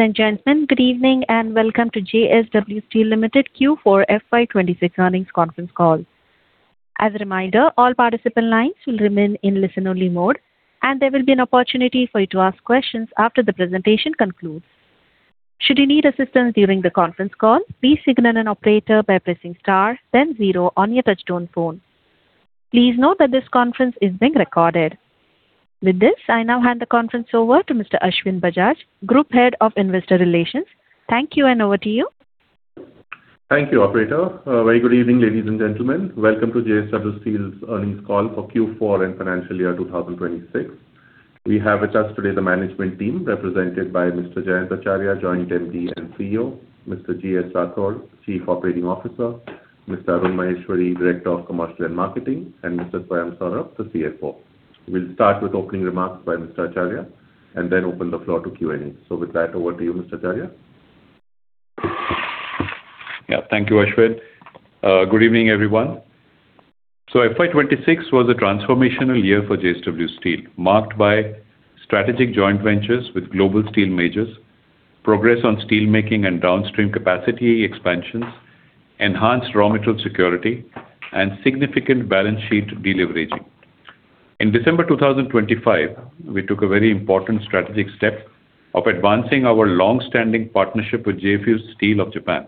Ladies and gentlemen, good evening and welcome to JSW Steel Limited Q4 FY 2026 earnings conference call. As a reminder, all participant lines will remain in listen only mode, and there will be an opportunity for you to ask questions after the presentation concludes. Should you need assistance during the conference call, please signal an operator by pressing Star then zero on your touchtone phone. Please note that this conference is being recorded. With this, I now hand the conference over to Mr. Ashwin Bajaj, Group Head of Investor Relations. Thank you and over to you. Thank you, operator. Very good evening, ladies and gentlemen. Welcome to JSW Steel's earnings call for Q4 and financial year 2026. We have with us today the management team represented by Mr. Jayant Acharya, Joint MD and CEO; Mr. GS Rathore, Chief Operating Officer; Mr. Arun Maheshwari, Director of Commercial and Marketing; and Mr. Swayam Saurabh, the CFO. We'll start with opening remarks by Mr. Acharya and then open the floor to Q&A. With that, over to you, Mr. Acharya. Yeah. Thank you, Ashwin. Good evening, everyone. FY 2026 was a transformational year for JSW Steel, marked by strategic joint ventures with global steel majors, progress on steel making and downstream capacity expansions, enhanced raw material security, and significant balance sheet deleveraging. In December 2025, we took a very important strategic step of advancing our long-standing partnership with JFE Steel of Japan.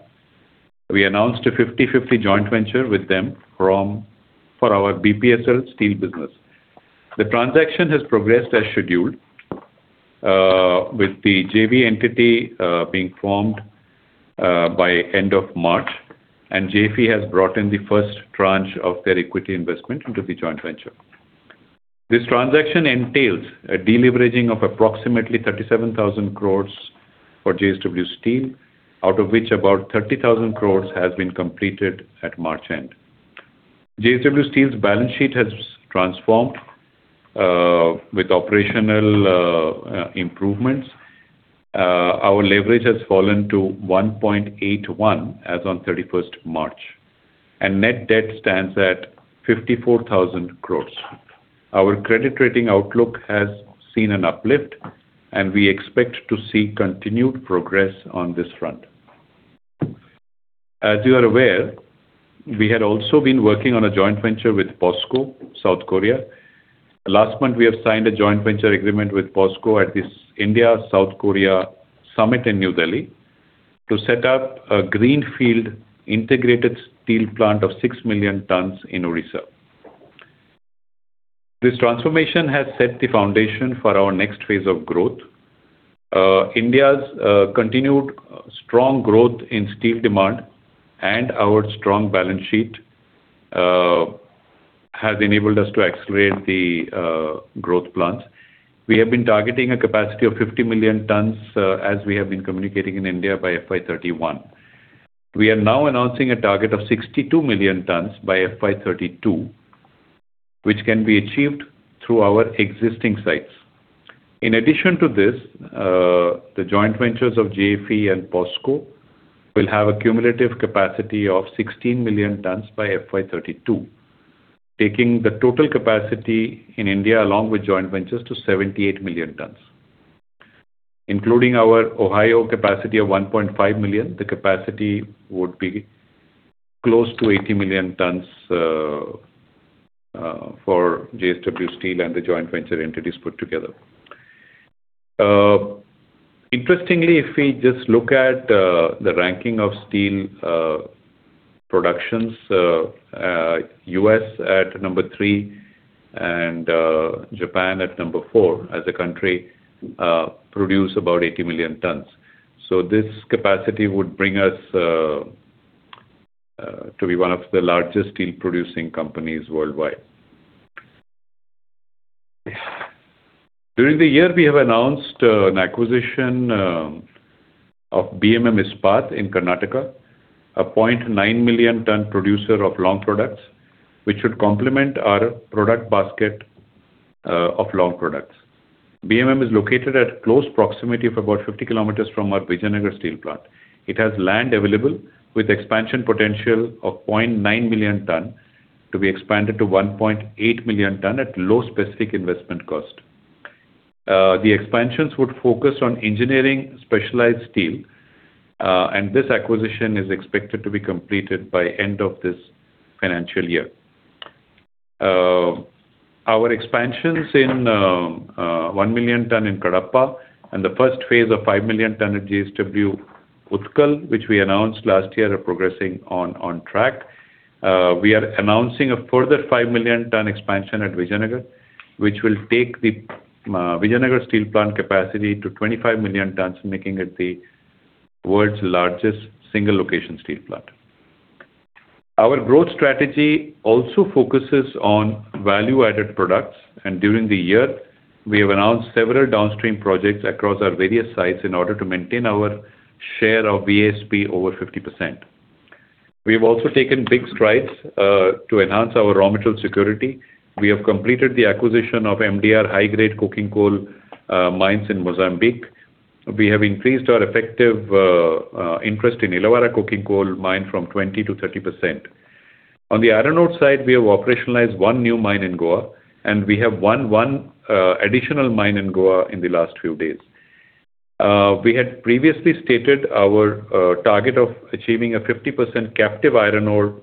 We announced a 50/50 joint venture with them for our BPSL steel business. The transaction has progressed as scheduled, with the JV entity being formed by end of March, and JFE has brought in the first tranche of their equity investment into the joint venture. This transaction entails a deleveraging of approximately 37,000 crores for JSW Steel, out of which about 30,000 crores has been completed at March end. JSW Steel's balance sheet has transformed with operational improvements. Our leverage has fallen to 1.81 as on 31st March, and net debt stands at 54,000 crores. Our credit rating outlook has seen an uplift, and we expect to see continued progress on this front. As you are aware, we had also been working on a joint venture with POSCO, South Korea. Last month, we have signed a joint venture agreement with POSCO at this India-South Korea summit in New Delhi to set up a greenfield integrated steel plant of 6 million tons in Odisha. This transformation has set the foundation for our next phase of growth. India's continued strong growth in steel demand and our strong balance sheet has enabled us to accelerate the growth plans. We have been targeting a capacity of 50 million tons, as we have been communicating in India by FY 2031. We are now announcing a target of 62 million tons by FY 2032, which can be achieved through our existing sites. In addition to this, the joint ventures of JFE and POSCO will have a cumulative capacity of 16 million tons by FY 2032, taking the total capacity in India, along with joint ventures to 78 million tons. Including our Ohio capacity of 1.5 million, the capacity would be close to 80 million tons for JSW Steel and the joint venture entities put together. Interestingly, if we just look at the ranking of steel productions, the U.S. at number three and Japan at number four as a country, produce about 80 million tons. This capacity would bring us to be one of the largest steel producing companies worldwide. During the year, we have announced an acquisition of BMM Ispat in Karnataka, a 0.9 million ton producer of long products, which would complement our product basket of long products. BMM is located at close proximity of about 50 kilometers from our Vijayanagar steel plant. It has land available with expansion potential of 0.9 million ton to be expanded to 1.8 million ton at low specific investment cost. The expansions would focus on engineering specialized steel, and this acquisition is expected to be completed by end of this financial year. Our expansions in 1 million ton in Kadapa and the first phase of 5 million ton at JSW Utkal, which we announced last year, are progressing on track. We are announcing a further 5 million ton expansion at Vijayanagar, which will take the Vijayanagar steel plant capacity to 25 million tons, making it the world's largest single location steel plant. Our growth strategy also focuses on value-added products, and during the year we have announced several downstream projects across our various sites in order to maintain our share of VSP over 50%. We have also taken big strides to enhance our raw material security. We have completed the acquisition of Minas de Revuboe mines in Mozambique. We have increased our effective interest in Illawarra Metallurgical Coal from 20%-30%. On the iron ore side, we have operationalized 1 new mine in Goa, and we have won 1 additional mine in Goa in the last few days. We had previously stated our target of achieving a 50% captive iron ore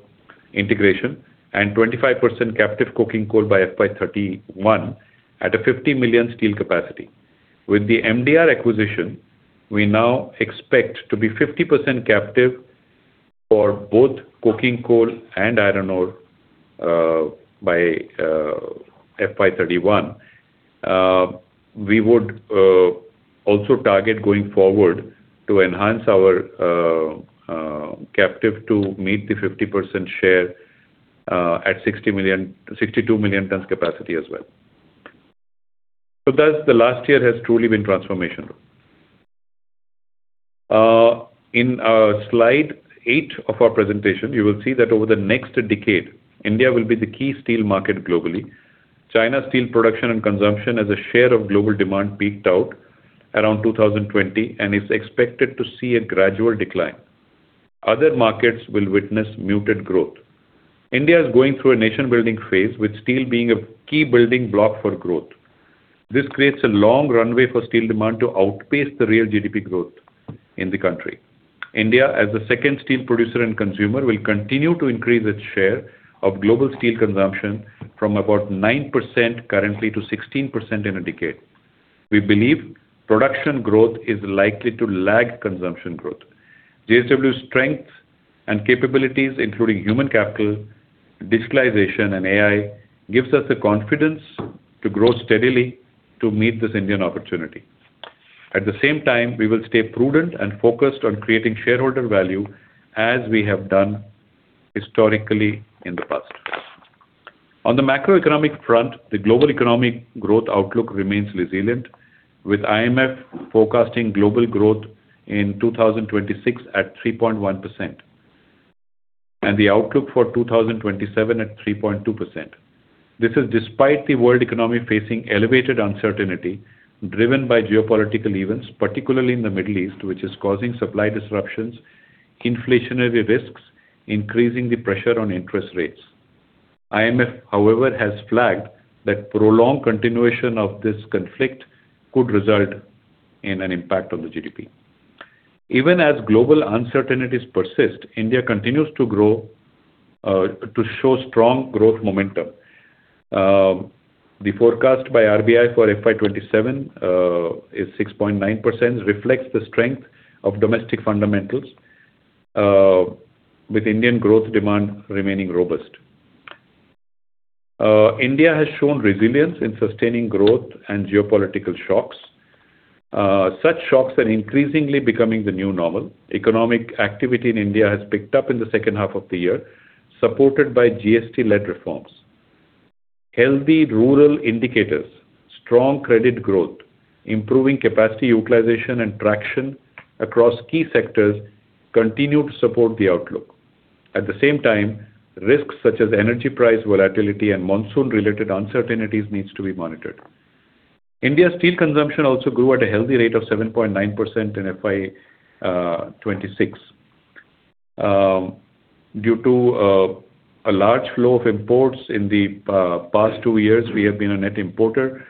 integration and 25% captive coking coal by FY 2031 at a 50 million steel capacity. With the MDR acquisition, we now expect to be 50% captive for both coking coal and iron ore by FY 2031. We would also target going forward to enhance our captive to meet the 50% share at 60 million, 62 million tons capacity as well. The last year has truly been transformational. In slide 8 of our presentation, you will see that over the next decade, India will be the key steel market globally. China's steel production and consumption as a share of global demand peaked out around 2020, and is expected to see a gradual decline. Other markets will witness muted growth. India is going through a nation building phase, with steel being a key building block for growth. This creates a long runway for steel demand to outpace the real GDP growth in the country. India, as the second steel producer and consumer, will continue to increase its share of global steel consumption from about 9% currently to 16% in a decade. We believe production growth is likely to lag consumption growth. JSW's strength and capabilities, including human capital, digitalization and AI, gives us the confidence to grow steadily to meet this Indian opportunity. At the same time, we will stay prudent and focused on creating shareholder value as we have done historically in the past. On the macroeconomic front, the global economic growth outlook remains resilient, with IMF forecasting global growth in 2026 at 3.1% and the outlook for 2027 at 3.2%. This is despite the world economy facing elevated uncertainty driven by geopolitical events, particularly in the Middle East, which is causing supply disruptions, inflationary risks, increasing the pressure on interest rates. IMF, however, has flagged that prolonged continuation of this conflict could result in an impact on the GDP. Even as global uncertainties persist, India continues to grow, to show strong growth momentum. The forecast by RBI for FY 2027 is 6.9% reflects the strength of domestic fundamentals, with Indian growth demand remaining robust. India has shown resilience in sustaining growth and geopolitical shocks. Such shocks are increasingly becoming the new normal. Economic activity in India has picked up in the second half of the year, supported by GST-led reforms. Healthy rural indicators, strong credit growth, improving capacity utilization and traction across key sectors continue to support the outlook. At the same time, risks such as energy price volatility and monsoon-related uncertainties needs to be monitored. India's steel consumption also grew at a healthy rate of 7.9% in FY 2026. Due to a large flow of imports in the past two years, we have been a net importer.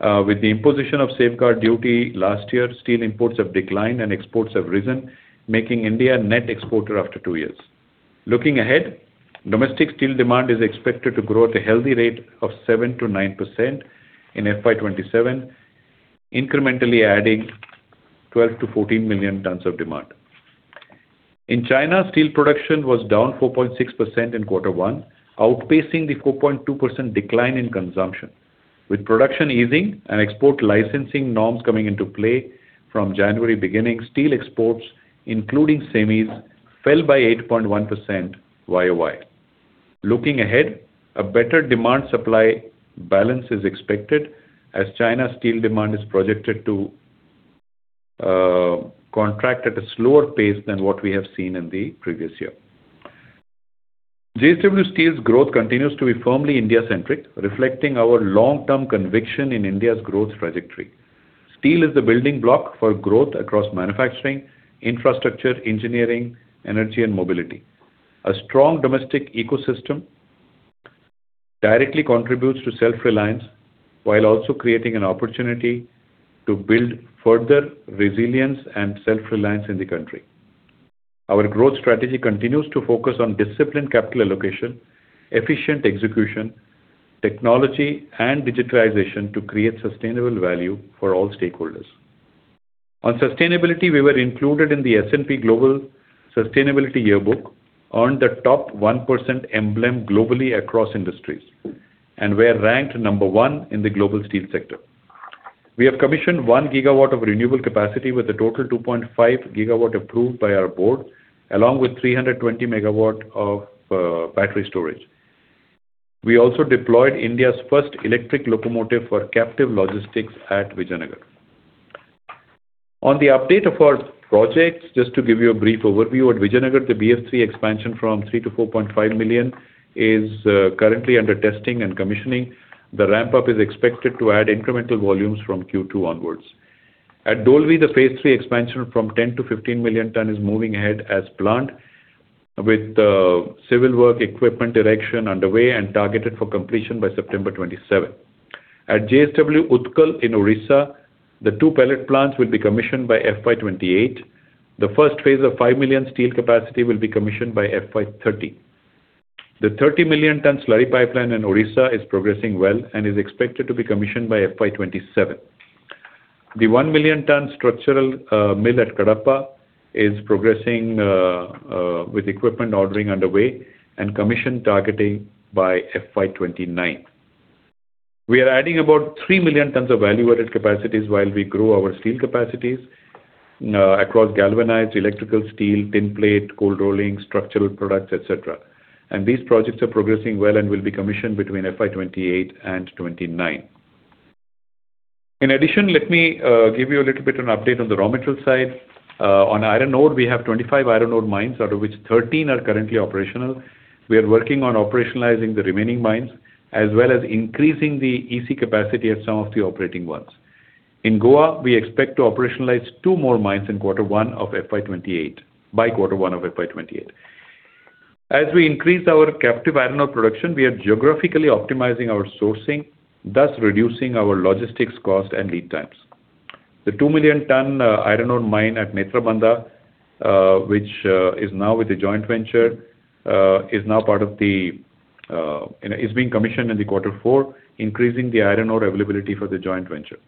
With the imposition of safeguard duty last year, steel imports have declined and exports have risen, making India a net exporter after two years. Looking ahead, domestic steel demand is expected to grow at a healthy rate of 7%-9% in FY 2027, incrementally adding 12 million-14 million tons of demand. In China, steel production was down 4.6% in quarter one, outpacing the 4.2% decline in consumption. With production easing and export licensing norms coming into play from January beginning, steel exports, including semis, fell by 8.1% YOY. Looking ahead, a better demand supply balance is expected as China's steel demand is projected to contract at a slower pace than what we have seen in the previous year. JSW Steel's growth continues to be firmly India-centric, reflecting our long-term conviction in India's growth trajectory. Steel is the building block for growth across manufacturing, infrastructure, engineering, energy, and mobility. A strong domestic ecosystem directly contributes to self-reliance while also creating an opportunity to build further resilience and self-reliance in the country. Our growth strategy continues to focus on disciplined capital allocation, efficient execution, technology, and digitalization to create sustainable value for all stakeholders. On sustainability, we were included in the S&P Global Sustainability Yearbook, earned the top 1% emblem globally across industries, and we are ranked number 1 in the global steel sector. We have commissioned 1 GW of renewable capacity with a total 2.5 gigawatt approved by our board, along with 320 MW of battery storage. We also deployed India's first electric locomotive for captive logistics at Vizag. On the update of our projects, just to give you a brief overview, at Vizag, the BF3 expansion from 3-4.5 million is currently under testing and commissioning. The ramp-up is expected to add incremental volumes from Q2 onwards. At Dolvi, the phase three expansion from 10 to 15 million ton is moving ahead as planned, with civil work equipment erection underway and targeted for completion by September 2027. At JSW Utkal in Odisha, the two pellet plants will be commissioned by FY 2028. The first phase of 5 million steel capacity will be commissioned by FY 2030. The 30 million ton slurry pipeline in Odisha is progressing well and is expected to be commissioned by FY 2027. The 1 million ton structural mill at Kadapa is progressing with equipment ordering underway and commission targeting by FY 2029. We are adding about 3 million tons of value-added capacities while we grow our steel capacities across galvanized electrical steel, tin plate, cold rolling, structural products, et cetera. These projects are progressing well and will be commissioned between FY 2028 and 2029. In addition, let me give you a little bit of an update on the raw material side. On iron ore, we have 25 iron ore mines, out of which 13 are currently operational. We are working on operationalizing the remaining mines, as well as increasing the EC capacity at some of the operating ones. In Goa, we expect to operationalize two more mines by quarter one of FY 2028. As we increase our captive iron ore production, we are geographically optimizing our sourcing, thus reducing our logistics cost and lead times. The 2 million ton iron ore mine at Netramanda, which is now with a joint venture, is now part of the, you know, is being commissioned in the quarter four, increasing the iron ore availability for the joint venture.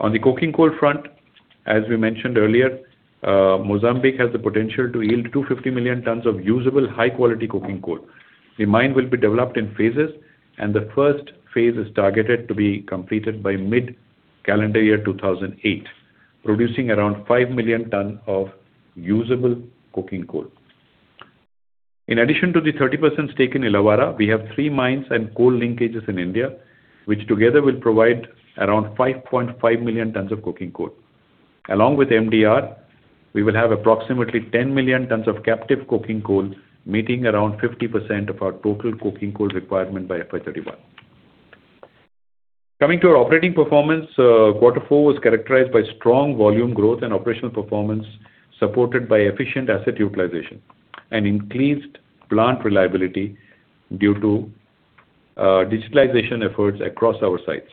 On the coking coal front, as we mentioned earlier, Mozambique has the potential to yield 250 million tons of usable high-quality coking coal. The mine will be developed in phases, and the first phase is targeted to be completed by mid-calendar year 2008, producing around 5 million tons of usable coking coal. In addition to the 30% stake in Illawarra, we have three mines and coal linkages in India, which together will provide around 5.5 million tons of coking coal. Along with MDR, we will have approximately 10 million tons of captive coking coal, meeting around 50% of our total coking coal requirement by FY 2031. Coming to our operating performance, Q4 was characterized by strong volume growth and operational performance supported by efficient asset utilization and increased plant reliability due to digitalization efforts across our sites.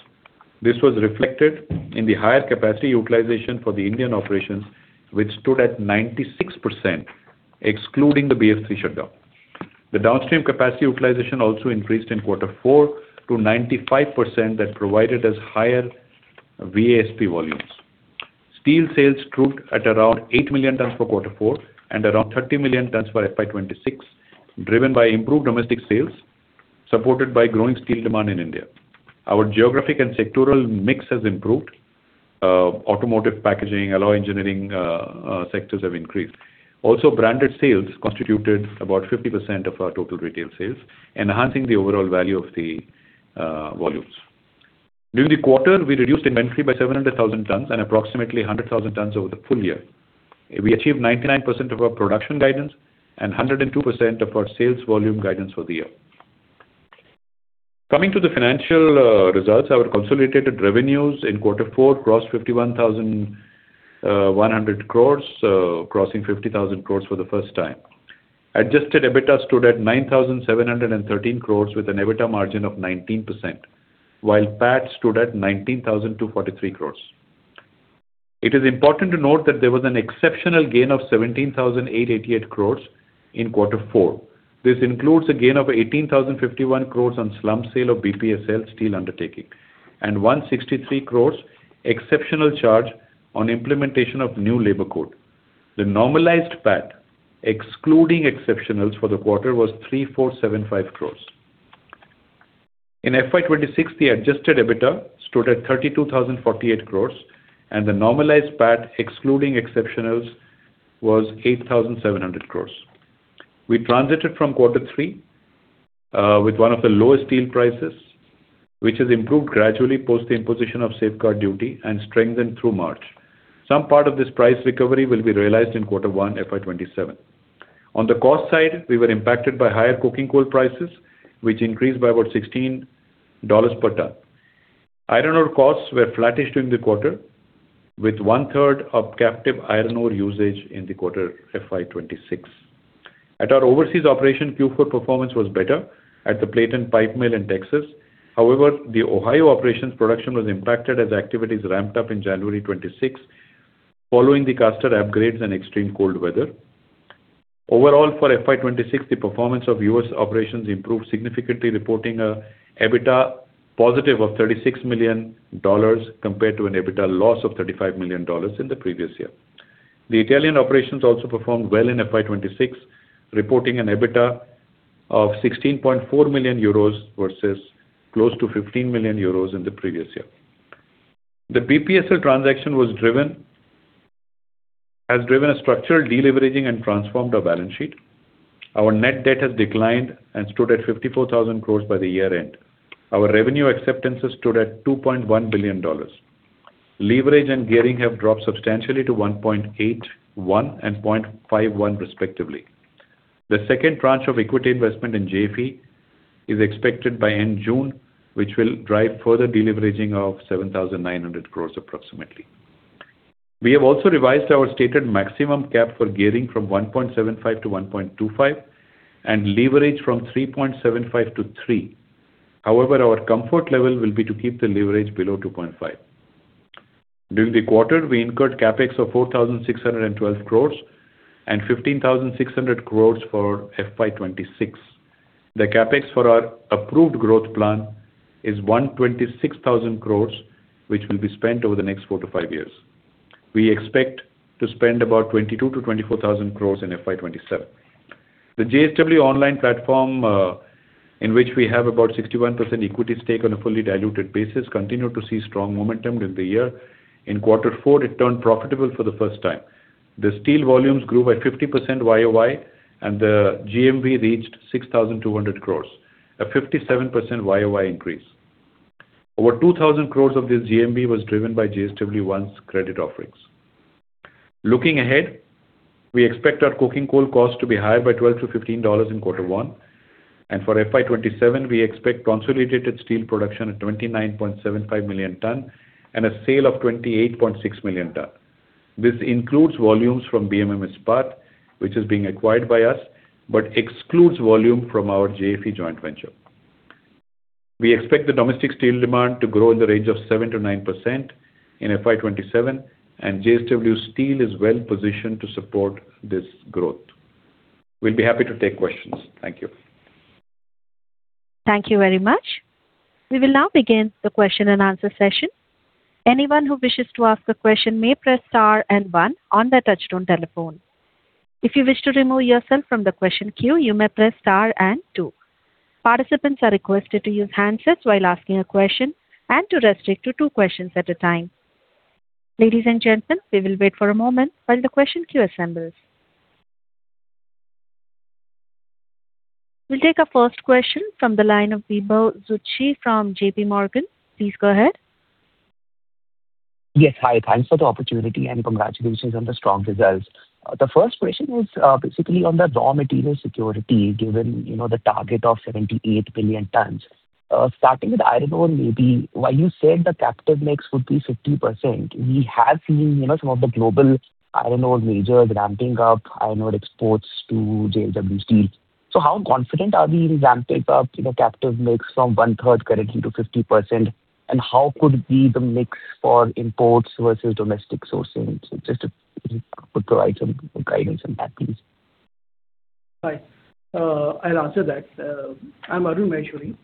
This was reflected in the higher capacity utilization for the Indian operations, which stood at 96%, excluding the BF3 shutdown. The downstream capacity utilization also increased in quarter four to 95% that provided us higher VAP volumes. Steel sales stood at around 8 million tons for quarter four and around 30 million tons for FY 2026, driven by improved domestic sales, supported by growing steel demand in India. Our geographic and sectoral mix has improved. Automotive packaging, alloy engineering, sectors have increased. Also, branded sales constituted about 50% of our total retail sales, enhancing the overall value of the volumes. During the quarter, we reduced inventory by 700,000 tons and approximately 100,000 tons over the full year. We achieved 99% of our production guidance and 102% of our sales volume guidance for the year. Coming to the financial results, our consolidated revenues in quarter four crossed 51,100 crores, crossing 50,000 crores for the first time. Adjusted EBITDA stood at 9,713 crores with an EBITDA margin of 19%, while PAT stood at 19,243 crores. It is important to note that there was an exceptional gain of 17,888 crores in quarter four. This includes a gain of 18,051 crores on slump sale of BPSL steel undertaking and 163 crores exceptional charge on implementation of new labor code. The normalized PAT, excluding exceptionals for the quarter, was 3,475 crores. In FY 2026, the adjusted EBITDA stood at 32,048 crores, and the normalized PAT, excluding exceptionals, was 8,700 crores. We transited from quarter 3 with one of the lowest steel prices, which has improved gradually post the imposition of safeguard duty and strengthened through March. Some part of this price recovery will be realized in quarter 1, FY 2027. On the cost side, we were impacted by higher coking coal prices, which increased by about $16 per ton. Iron ore costs were flattish during the quarter, with one-third of captive iron ore usage in the quarter FY 2026. At our overseas operation, Q4 performance was better at the plate and pipe mill in Texas. However, the Ohio operations production was impacted as activities ramped up in January 2026 following the caster upgrades and extreme cold weather. Overall, for FY 2026, the performance of U.S. operations improved significantly, reporting an EBITDA positive of $36 million compared to an EBITDA loss of $35 million in the previous year. The Italian operations also performed well in FY 2026, reporting an EBITDA of 16.4 million euros versus close to 15 million euros in the previous year. The BPSL transaction has driven a structural deleveraging and transformed our balance sheet. Our net debt has declined and stood at 54,000 crore by the year-end. Our revenue acceptances stood at $2.1 billion. Leverage and gearing have dropped substantially to 1.81 and 0.51 respectively. The second tranche of equity investment in JFE is expected by end June, which will drive further deleveraging of 7,900 crore approximately. We have also revised our stated maximum cap for gearing from 1.75 to 1.25 and leverage from 3.75 to 3. Our comfort level will be to keep the leverage below 2.5. During the quarter, we incurred CapEx of 4,612 crores and 15,600 crores for FY 2026. The CapEx for our approved growth plan is 126,000 crores, which will be spent over the next four-five years. We expect to spend about 22,000-24,000 crores in FY 2027. The JSW One platform, in which we have about 61% equity stake on a fully diluted basis, continued to see strong momentum during the year. In Q4, it turned profitable for the first time. The steel volumes grew by 50% YoY, and the GMV reached 6,200 crores, a 57% YoY increase. Over 2,000 crores of this GMV was driven by JSW One's credit offerings. Looking ahead, we expect our coking coal cost to be higher by $12-$15 in Q1. For FY 2027, we expect consolidated steel production at 29.75 million tons and a sale of 28.6 million tons. This includes volumes from BMM Ispat, which is being acquired by us, but excludes volume from our JFE joint venture. We expect the domestic steel demand to grow in the range of 7%-9% in FY 2027. JSW Steel is well positioned to support this growth. We'll be happy to take questions. Thank you. Thank you very much. We will now begin the question and answer session. Anyone who wishes to ask a question may press star and one on their touchtone telephone. If you wish to remove yourself from the question queue, you may press star and two. Participants are requested to use handsets while asking a question and to restrict to two questions at a time. Ladies and gentlemen, we will wait for a moment while the question queue assembles. We will take our first question from the line of Vibhav Zutshi from JPMorgan. Please go ahead. Yes. Hi. Thanks for the opportunity, and congratulations on the strong results. The first question was, basically on the raw material security, given, you know, the target of 78 billion tons. Starting with iron ore maybe, while you said the captive mix would be 50%, we have seen, you know, some of the global iron ore majors ramping up iron ore exports to JSW Steel. How confident are we in ramping up, you know, captive mix from 1/3 currently to 50%, and how could be the mix for imports versus domestic sourcing? If you could provide some guidance on that, please. Hi. I'll answer that. I'm Arun Maheshwari.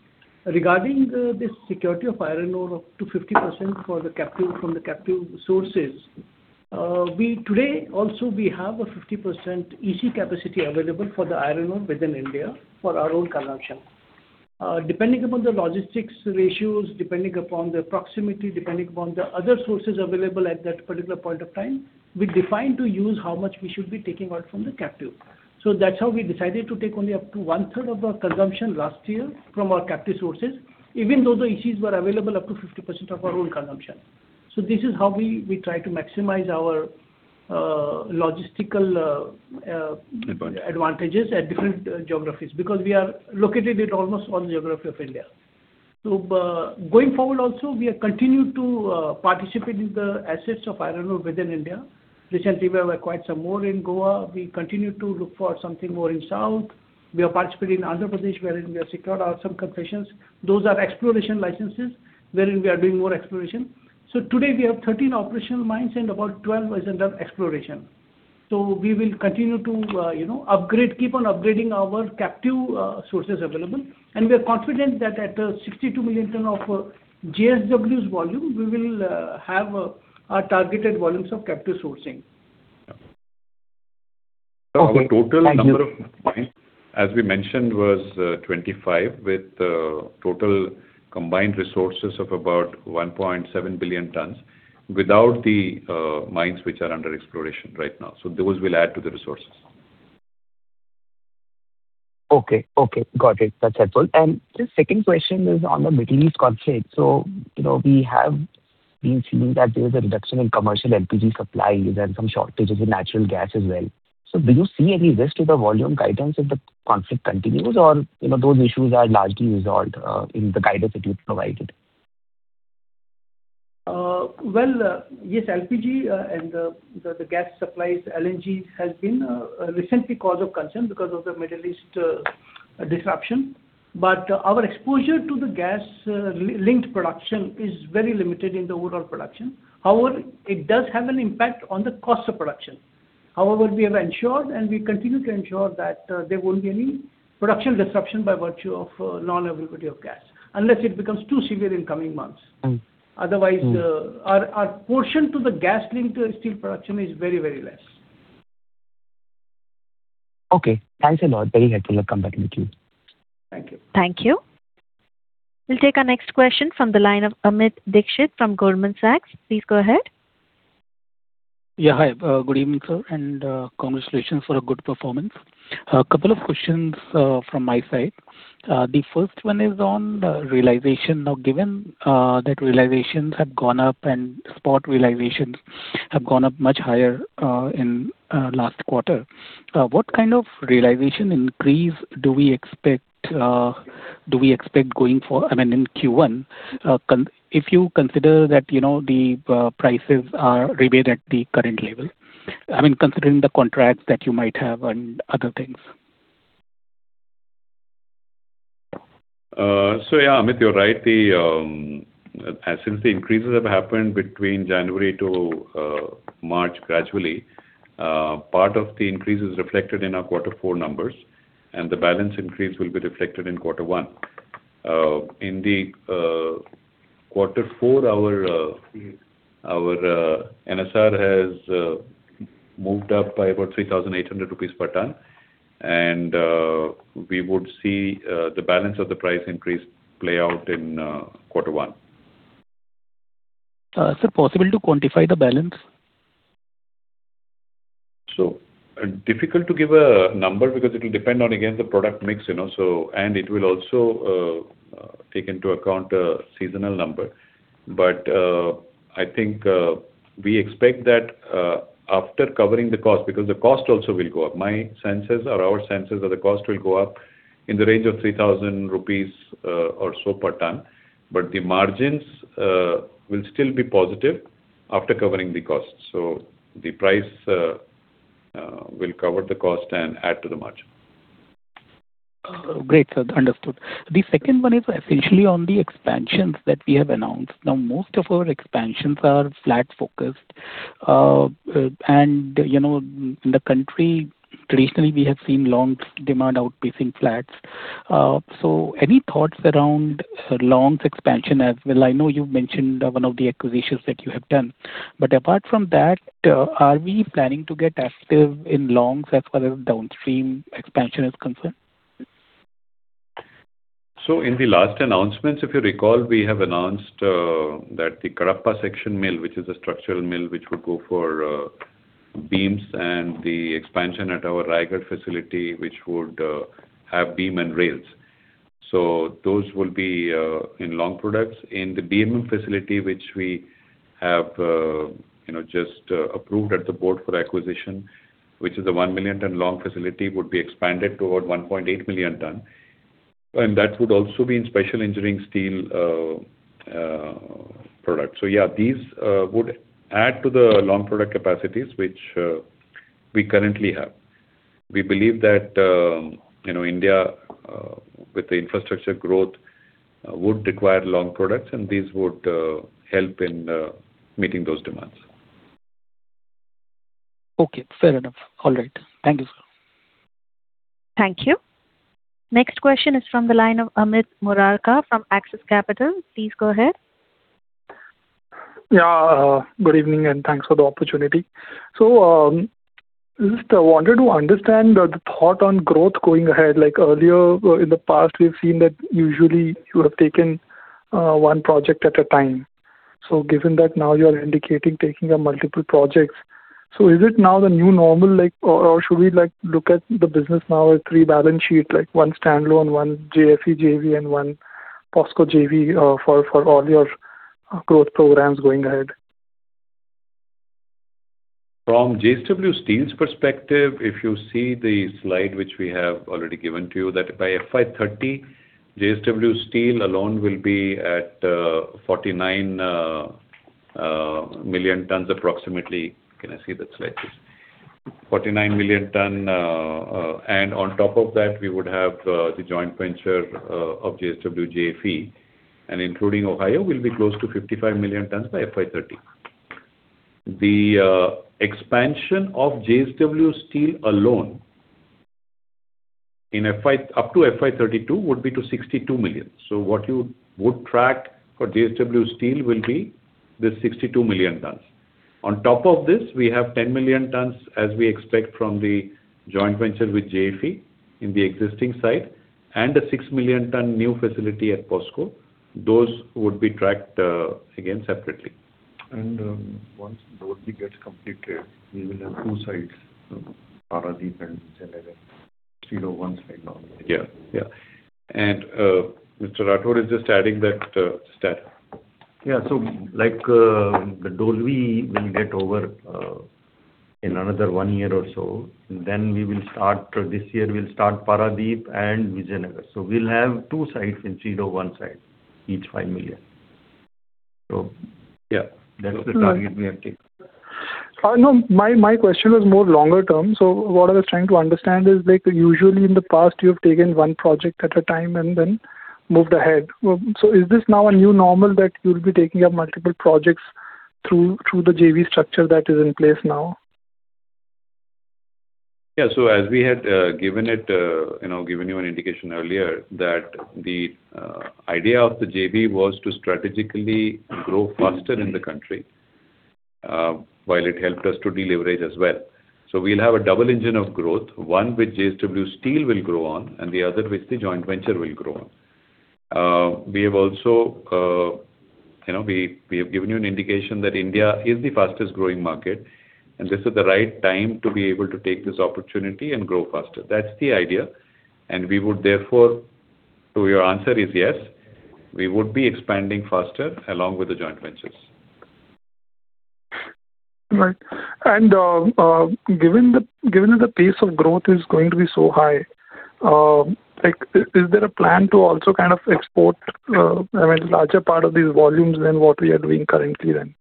Regarding the security of iron ore up to 50% for the captive, from the captive sources, we today also we have a 50% EC capacity available for the iron ore within India for our own consumption. Depending upon the logistics ratios, depending upon the proximity, depending upon the other sources available at that particular point of time, we define to use how much we should be taking out from the captive. That's how we decided to take only up to 1/3 of our consumption last year from our captive sources, even though the ECs were available up to 50% of our own consumption. This is how we try to maximize our logistical, Advantages advantages at different geographies, because we are located at almost all geography of India. Going forward also, we have continued to participate in the assets of iron ore within India. Recently, we have acquired some more in Goa. We continue to look for something more in south. We have participated in Andhra Pradesh, wherein we have secured out some concessions. Those are exploration licenses, wherein we are doing more exploration. Today we have 13 operational mines and about 12 is under exploration. We will continue to, you know, upgrade, keep on upgrading our captive sources available. We are confident that at 62 million ton of JSW Steel's volume, we will have our targeted volumes of captive sourcing. Yeah. Thank you. The total number of mines, as we mentioned, was 25 with total combined resources of about 1.7 billion tons without the mines which are under exploration right now. Those will add to the resources. Okay. Okay. Got it. That's helpful. The second question is on the Middle East conflict. You know, we have been seeing that there's a reduction in commercial LPG supply. There's some shortages in natural gas as well. Do you see any risk to the volume guidance if the conflict continues or, you know, those issues are largely resolved in the guidance that you've provided? Well, yes, LPG, and the gas supplies, LNG has been recently cause of concern because of the Middle East disruption. Our exposure to the gas-linked production is very limited in the overall production. It does have an impact on the cost of production. We have ensured and we continue to ensure that there won't be any production disruption by virtue of non-availability of gas, unless it becomes too severe in coming months. Our portion to the gas linked steel production is very less. Okay. Thanks a lot. Very helpful. I'll come back with you. Thank you. Thank you. We'll take our next question from the line of Amit Dixit from Goldman Sachs. Please go ahead. Hi. Good evening, sir, and congratulations for a good performance. A couple of questions from my side. The first one is on the realization. Now, given that realizations have gone up and spot realizations have gone up much higher in last quarter, what kind of realization increase do we expect going for, I mean, in Q1? If you consider that, you know, the prices are remain at the current level. I mean, considering the contracts that you might have and other things. Yeah, Amit, you're right. The since the increases have happened between January to March gradually, part of the increase is reflected in our quarter four numbers, and the balance increase will be reflected in quarter one. In the quarter four, our NSR has moved up by about 3,800 rupees per ton. We would see the balance of the price increase play out in quarter one. Sir, possible to quantify the balance? Difficult to give a number because it will depend on, again, the product mix, you know, and it will also take into account a seasonal number. I think we expect that after covering the cost, because the cost also will go up. My senses or our senses are the cost will go up in the range of 3,000 rupees or so per ton. The margins will still be positive after covering the cost. The price will cover the cost and add to the margin. Great, sir. Understood. The second one is essentially on the expansions that we have announced. Now, most of our expansions are flat focused. You know, in the country traditionally we have seen longs demand outpacing flats. Any thoughts around longs expansion as well? I know you've mentioned one of the acquisitions that you have done. Apart from that, are we planning to get active in longs as far as downstream expansion is concerned? In the last announcements, if you recall, we have announced that the Kadapa section mill, which is a structural mill which would go for beams and the expansion at our Raigarh facility, which would have beam and rails. Those will be in long products. In the beam facility, which we have, you know, just approved at the board for acquisition, which is a 1 million ton long facility, would be expanded to about 1.8 million ton. That would also be in special engineering steel product. Yeah, these would add to the long product capacities which we currently have. We believe that, you know, India, with the infrastructure growth, would require long products and these would help in meeting those demands. Okay. Fair enough. All right. Thank you, sir. Thank you. Next question is from the line of Amit Murarka from Axis Capital. Please go ahead. Good evening, and thanks for the opportunity. Just I wanted to understand the thought on growth going ahead. Earlier, in the past, we've seen that usually you have taken one project at a time. Given that now you are indicating taking on multiple projects, is it now the new normal or should we look at the business now as three balance sheet, one standalone, one JFE JV, and one POSCO JV, for all your growth programs going ahead? From JSW Steel's perspective, if you see the slide which we have already given to you, that by FY 2030 JSW Steel alone will be at 49 million tonnes approximately. Can I see that slide, please? 49 million tonne, and on top of that we would have the joint venture of JSW JFE, and including Odisha will be close to 55 million tonnes by FY 2030. The expansion of JSW Steel alone up to FY 2032 would be to 62 million. What you would track for JSW Steel will be the 62 million tonnes. On top of this, we have 10 million tonnes as we expect from the joint venture with JFE in the existing site and a 6 million tonne new facility at POSCO. Those would be tracked again separately. Once Dolvi gets completed, we will have two sites, Paradip and Vijayanagar. 01 site normally. Yeah. Yeah. Mr. Rathore is just adding that stat. Yeah. The Dolvi will get over, in another one year or so. This year we'll start Paradip and Vijayanagar. We'll have two sites in zero one site, each 5 million. Yeah. That's the target we have taken. No, my question was more longer term. What I was trying to understand is like usually in the past you have taken one project at a time and then moved ahead. So is this now a new normal that you'll be taking up multiple projects through the JV structure that is in place now? As we had, you know, given you an indication earlier that the idea of the JV was to strategically grow faster in the country, while it helped us to deleveraging as well. We'll have a double engine of growth. One which JSW Steel will grow on, and the other which the joint venture will grow on. We have also, you know, we have given you an indication that India is the fastest growing market, and this is the right time to be able to take this opportunity and grow faster. That's the idea. Your answer is yes. We would be expanding faster along with the joint ventures. Right. Given that the pace of growth is going to be so high, like is there a plan to also kind of export, I mean, larger part of these volumes than what we are doing currently then?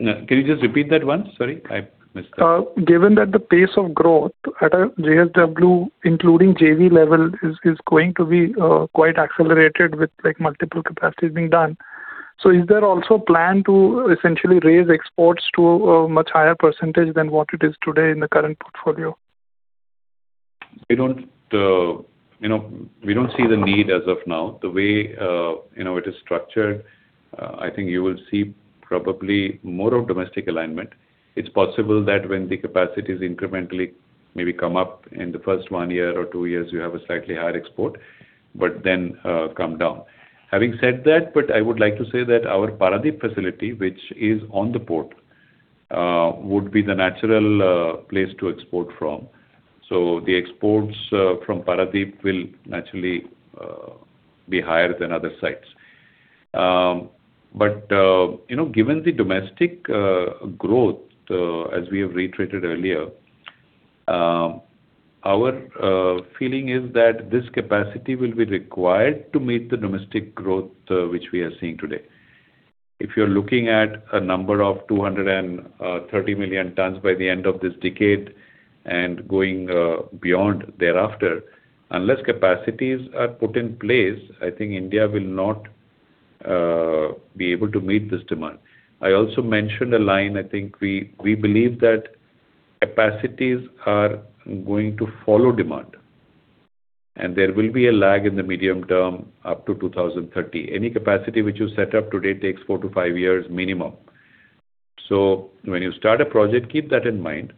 Yeah. Can you just repeat that one? Sorry, I missed that. Given that the pace of growth at JSW, including JV level, is going to be quite accelerated with like multiple capacities being done, is there also plan to essentially raise exports to a much higher % than what it is today in the current portfolio? We don't, you know, we don't see the need as of now. The way, you know, it is structured, I think you will see probably more of domestic alignment. It's possible that when the capacities incrementally maybe come up in the first one year or two years you have a slightly higher export, but then, come down. Having said that, I would like to say that our Paradip facility, which is on the port, would be the natural place to export from. So the exports from Paradip will naturally be higher than other sites. Given the domestic growth, as we have reiterated earlier, our feeling is that this capacity will be required to meet the domestic growth, which we are seeing today. If you're looking at a number of 230 million tons by the end of this decade and going beyond thereafter, unless capacities are put in place, I think India will not be able to meet this demand. I also mentioned a line, I think we believe that capacities are going to follow demand, and there will be a lag in the medium term up to 2030. Any capacity which you set up today takes four-five years minimum. When you start a project, keep that in mind.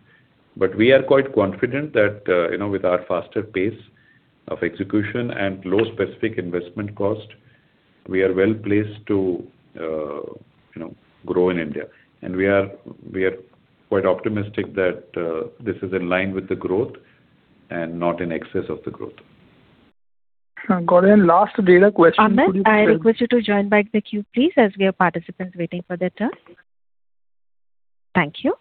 We are quite confident that, you know, with our faster pace of execution and low specific investment cost, we are well-placed to, you know, grow in India. We are quite optimistic that this is in line with the growth and not in excess of the growth. Got it. Last data question? Amit, I request you to join back the queue, please, as we have participants waiting for their turn. Thank you.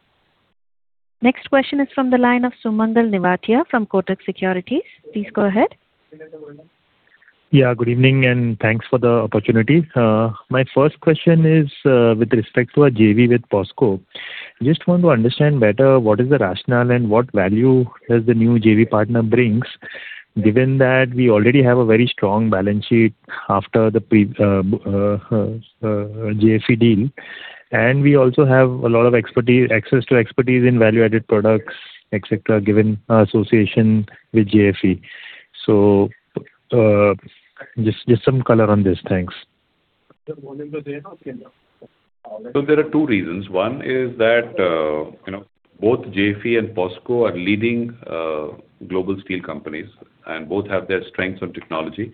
Next question is from the line of Sumangal Nevatia from Kotak Securities. Please go ahead. Yeah, good evening and thanks for the opportunity. My first question is, with respect to our JV with POSCO. I just want to understand better what is the rationale and what value does the new JV partner brings, given that we already have a very strong balance sheet after the pre, JFE deal, and we also have a lot of expertise, access to expertise in value-added products, et cetera, given our association with JFE. Just some color on this. Thanks. There are two reasons. One is that, you know, both JFE and POSCO are leading global steel companies, and both have their strengths on technology.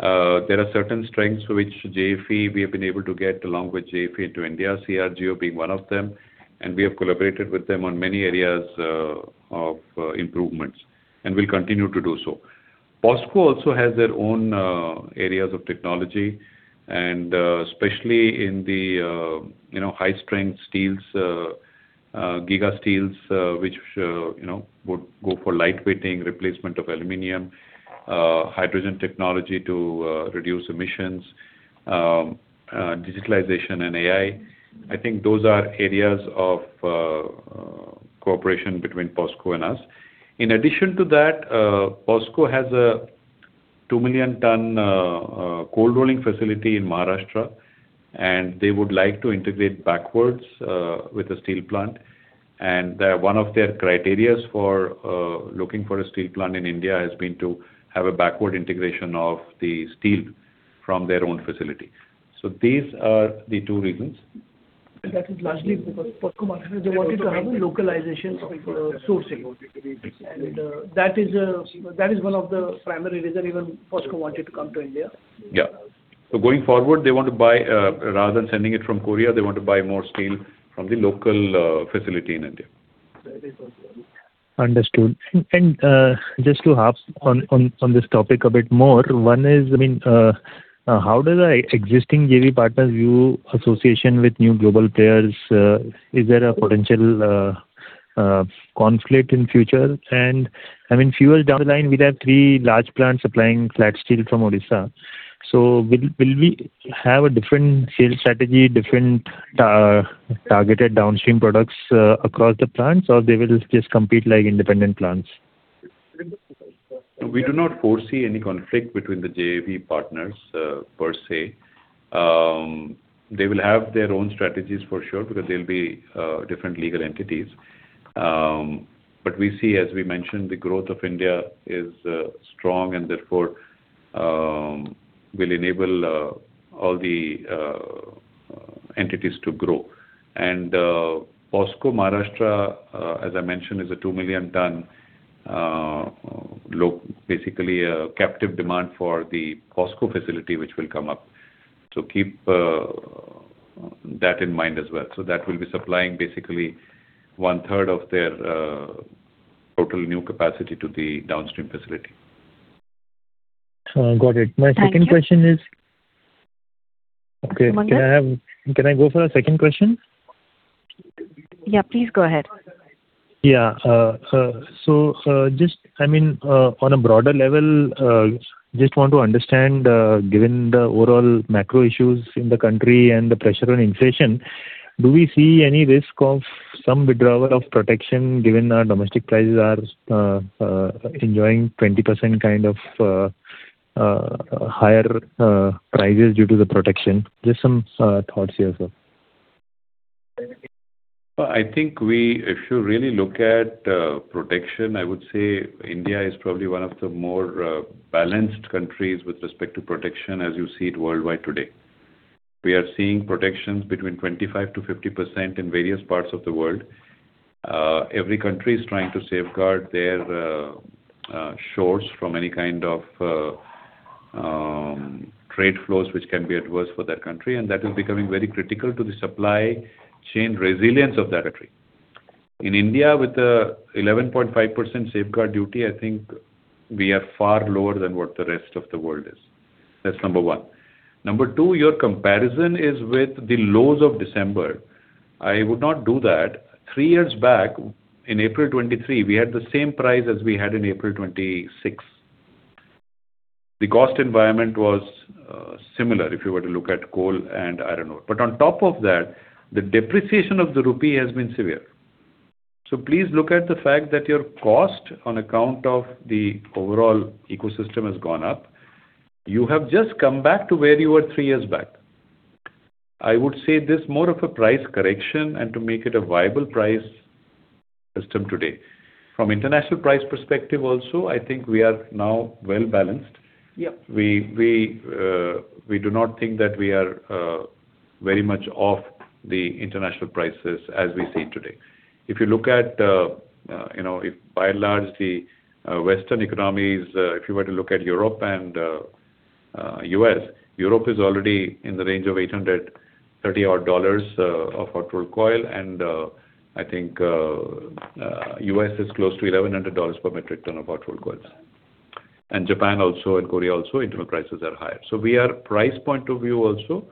There are certain strengths which JFE we have been able to get along with JFE into India, CRGO being one of them, and we have collaborated with them on many areas of improvements, and we'll continue to do so. POSCO also has their own areas of technology and especially in the, you know, high-strength steels, Giga Steel, which, you know, would go for lightweighting, replacement of aluminum, hydrogen technology to reduce emissions, digitalization and AI. I think those are areas of cooperation between POSCO and us. In addition to that, POSCO has a 2 million ton cold rolling facility in Maharashtra, and they would like to integrate backwards with a steel plant. One of their criteria for looking for a steel plant in India has been to have a backward integration of the steel from their own facility. These are the two reasons. That is largely because POSCO Maharashtra they wanted to have localization for sourcing. That is one of the primary reason even POSCO wanted to come to India. Yeah. Going forward, they want to buy, rather than sending it from Korea, they want to buy more steel from the local facility in India. Understood. Just to harp on this topic a bit more. One is, I mean, how does a existing JV partner view association with new global players? Is there a potential conflict in future? I mean, further down the line, we'd have three large plants supplying flat steel from Odisha. Will we have a different sales strategy, different targeted downstream products across the plants, or they will just compete like independent plants? We do not foresee any conflict between the JV partners, per se. They will have their own strategies for sure, because they'll be different legal entities. We see, as we mentioned, the growth of India is strong and therefore, will enable all the entities to grow. POSCO Maharashtra, as I mentioned, is a 2 million ton basically a captive demand for the POSCO facility which will come up. Keep that in mind as well. That will be supplying basically 1/3 of their total new capacity to the downstream facility. Got it. Thank you. My second question is. Mangal. Okay, can I go for a second question? Yeah, please go ahead. Yeah. Just, I mean, on a broader level, just want to understand, given the overall macro issues in the country and the pressure on inflation, do we see any risk of some withdrawal of protection given our domestic prices are enjoying 20% kind of higher prices due to the protection? Just some thoughts here, sir. I think we, if you really look at protection, I would say India is probably one of the more balanced countries with respect to protection as you see it worldwide today. We are seeing protections between 25%-50% in various parts of the world. Every country is trying to safeguard their shores from any kind of trade flows which can be adverse for that country, that is becoming very critical to the supply chain resilience of that country. In India, with the 11.5% safeguard duty, I think we are far lower than what the rest of the world is. That's number one. Number two, your comparison is with the lows of December. I would not do that three years back, in April 2023, we had the same price as we had in April 2026. The cost environment was similar if you were to look at coal and iron ore. On top of that, the depreciation of the rupee has been severe. Please look at the fact that your cost on account of the overall ecosystem has gone up. You have just come back to where you were three years back. I would say this more of a price correction and to make it a viable price system today. From international price perspective also, I think we are now well-balanced. Yeah. We do not think that we are very much off the international prices as we see today. If you look at, you know, if by and large the Western economies, if you were to look at Europe and U.S. Europe is already in the range of $830 odd, of hot-rolled coil, and I think U.S. is close to $1,100 per metric ton of hot-rolled coils. Japan also and Korea also, internal prices are higher. We are price point of view also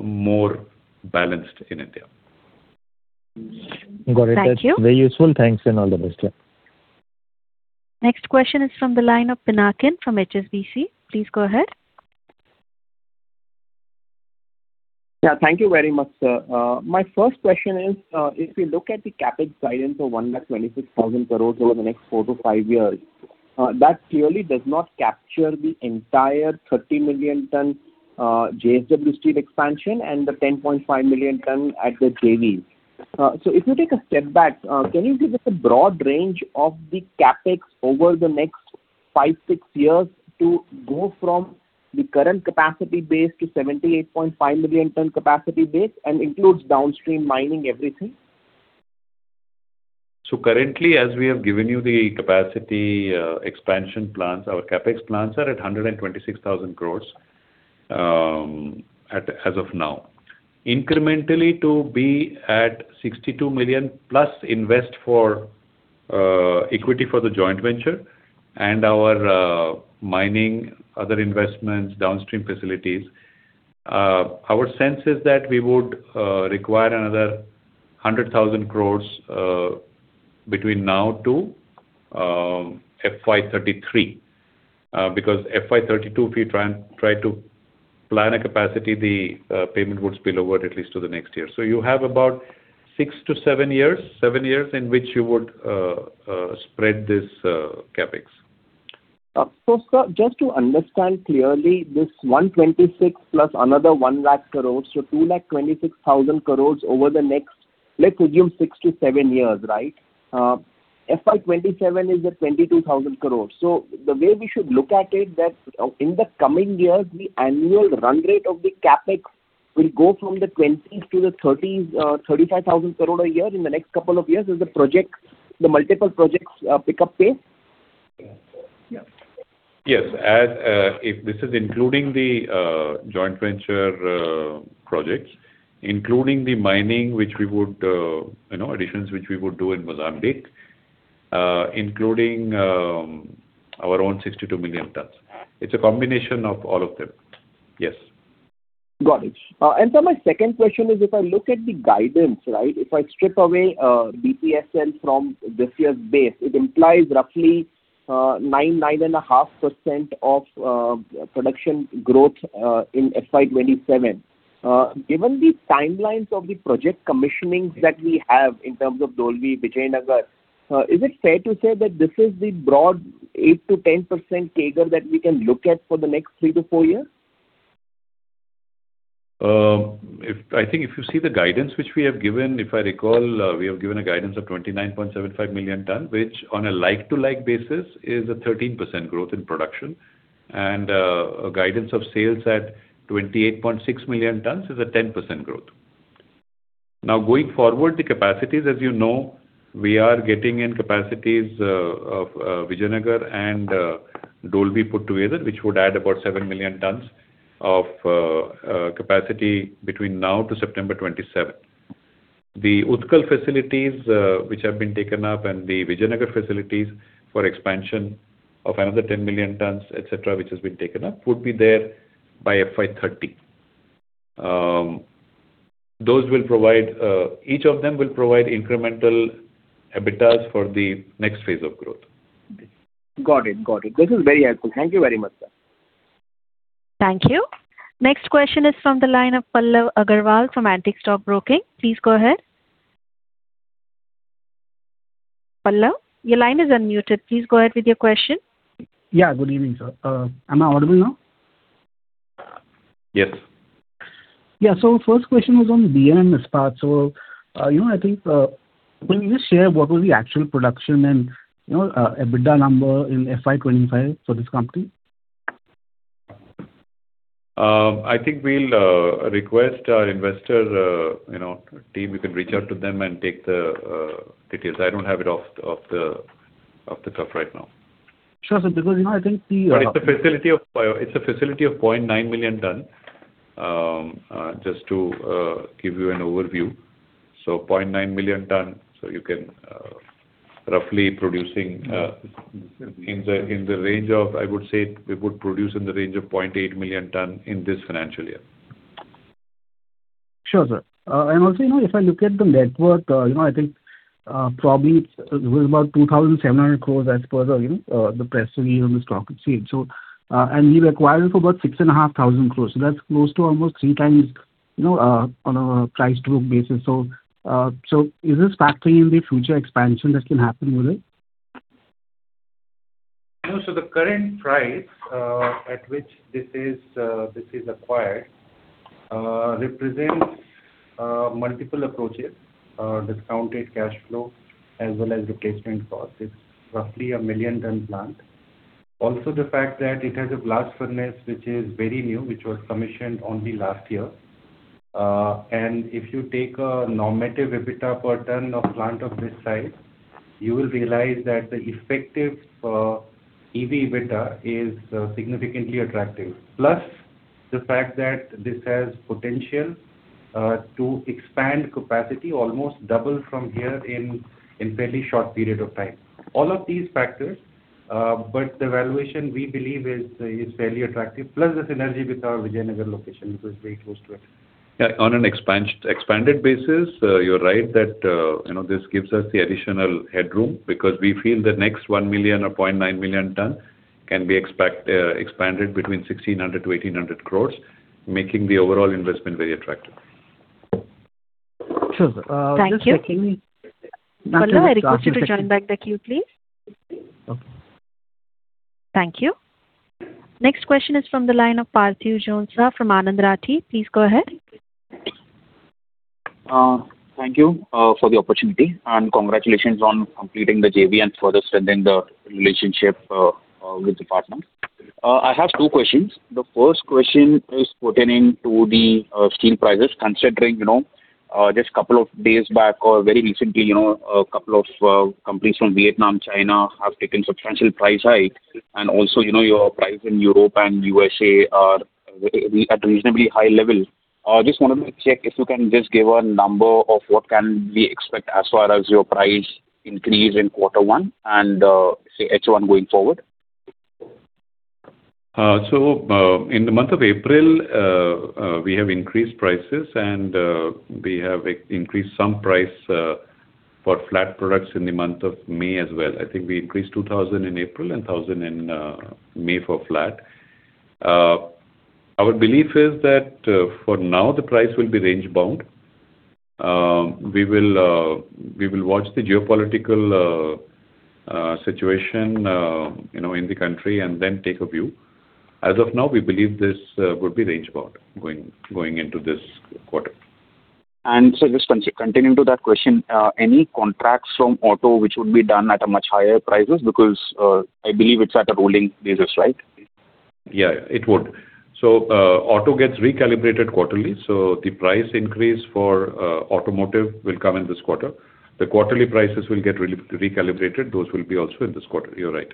more balanced in India. Got it. Thank you. That's very useful. Thanks and all the best. Yeah. Next question is from the line of Pinakin from HSBC. Please go ahead. Thank you very much, sir. My first question is, if you look at the CapEx guidance of 1,26,000 crore over the next four-five years, that clearly does not capture the entire 30 million tons JSW Steel expansion and the 10.5 million tons at the JV. If you take a step back, can you give us a broad range of the CapEx over the next five-six years to go from the current capacity base to 78.5 million tons capacity base and includes downstream mining, everything? Currently, as we have given you the capacity expansion plans, our CapEx plans are at 126,000 crores as of now. Incrementally to be at 62 million plus invest for equity for the joint venture and our mining other investments, downstream facilities. Our sense is that we would require another 100,000 crores between now to FY 2033. Because FY 2032, if we try to plan a capacity, the payment would spill over at least to the next year. You have about six-seven years in which you would spread this CapEx. sir, just to understand clearly, this 126 plus another 1 lakh crore, so 226,000 crore over the next, let's assume six-seven years, right? FY 2027 is at 22,000 crore. the way we should look at it that, in the coming years the annual run rate of the CapEx will go from the INR 20,000s to the INR 30,000s, 35,000 crore a year in the next couple of years as the project, the multiple projects, pick up pace? Yeah. Yeah. Yes. As, if this is including the joint venture projects, including the mining which we would, you know, additions which we would do in Mozambique, including our own 62 million tons. It's a combination of all of them. Yes. Got it. Sir, my second question is if I look at the guidance, right? If I strip away BPSL from this year's base, it implies roughly 9%, 9.5% of production growth in FY 2027. Given the timelines of the project commissionings that we have in terms of Dolvi, Vijayanagar, is it fair to say that this is the broad 8%-10% CAGR that we can look at for the next three-four years? I think if you see the guidance which we have given, if I recall, we have given a guidance of 29.75 million tons, which on a like-to-like basis is a 13% growth in production. A guidance of sales at 28.6 million tons is a 10% growth. Going forward, the capacities, as you know, we are getting in capacities of Vijayanagar and Dolvi put together, which would add about 7 million tons of capacity between now to September 2027. The Utkal facilities which have been taken up and the Vijayanagar facilities for expansion of another 10 million tons, et cetera, which has been taken up, would be there by FY 2030. Those will provide, each of them will provide incremental EBITDAs for the next phase of growth. Got it. This is very helpful. Thank you very much, sir. Thank you. Next question is from the line of Pallav Agarwal from Antique Stock Broking. Please go ahead. Pallav, your line is unmuted. Please go ahead with your question. Yeah, good evening sir. Am I audible now? Yes. Yeah. First question was on BMM Ispat. You know, I think, can you just share what was the actual production and, you know, EBITDA number in FY 2025 for this company? I think we'll request our investor, you know, team, you can reach out to them and take the details. I don't have it off the cuff right now. Sure, sir, because, you know, I think the. It's a facility of 0.9 million tons. Just to give you an overview. 0.9 million tons, I would say we would produce in the range of 0.8 million tons in this financial year. Sure, sir. Also, you know, if I look at the net worth, you know, I think, probably it's worth about 2,700 crores as per the, you know, the press release on the stock exchange. We've acquired it for about 6,500 crores. That's close to almost three times, you know, on a price to book basis. Is this factoring in the future expansion that can happen with it? No. The current price at which this is acquired represents multiple approaches, discounted cash flow as well as replacement cost. It's roughly a 1 million-ton plant. Also, the fact that it has a blast furnace which is very new, which was commissioned only last year. And if you take a normative EBITDA per ton of plant of this size, you will realize that the effective EV/EBITDA is significantly attractive. Plus the fact that this has potential to expand capacity almost double from here in fairly short period of time. All of these factors, but the valuation we believe is fairly attractive. Plus the synergy with our Vijayanagar location, which is very close to it. Yeah. On an expanded basis, you're right that, you know, this gives us the additional headroom because we feel the next 1 million or 0.9 million ton can be expanded between 1,600-1,800 crores, making the overall investment very attractive. Sure, sir. Thank you. Nothing to do with Pallav, I request you to join back the queue, please. Okay. Thank you. Next question is from the line of Parthiv Jhonsa from Anand Rathi. Please go ahead. Thank you for the opportunity and congratulations on completing the JV and further strengthening the relationship with the partners. I have two questions. The first question is pertaining to the steel prices. Considering, you know, just couple of days back or very recently, you know, a couple of companies from Vietnam, China have taken substantial price hike. Also, you know, your price in Europe and USA are at reasonably high level. Just wanted to check if you can just give a number of what can we expect as far as your price increase in quarter one and, say, H1 going forward. In the month of April, we have increased prices, and we have increased some price for flat products in the month of May as well. I think we increased 2,000 in April and 1,000 in May for flat. Our belief is that for now the price will be range bound. We will watch the geopolitical situation, you know, in the country and then take a view. As of now, we believe this would be range bound going into this quarter. Just continuing to that question, any contracts from auto which would be done at a much higher prices because, I believe it's at a rolling basis, right? Yeah, it would. Auto gets recalibrated quarterly, so the price increase for automotive will come in this quarter. The quarterly prices will get recalibrated. Those will be also in this quarter. You are right.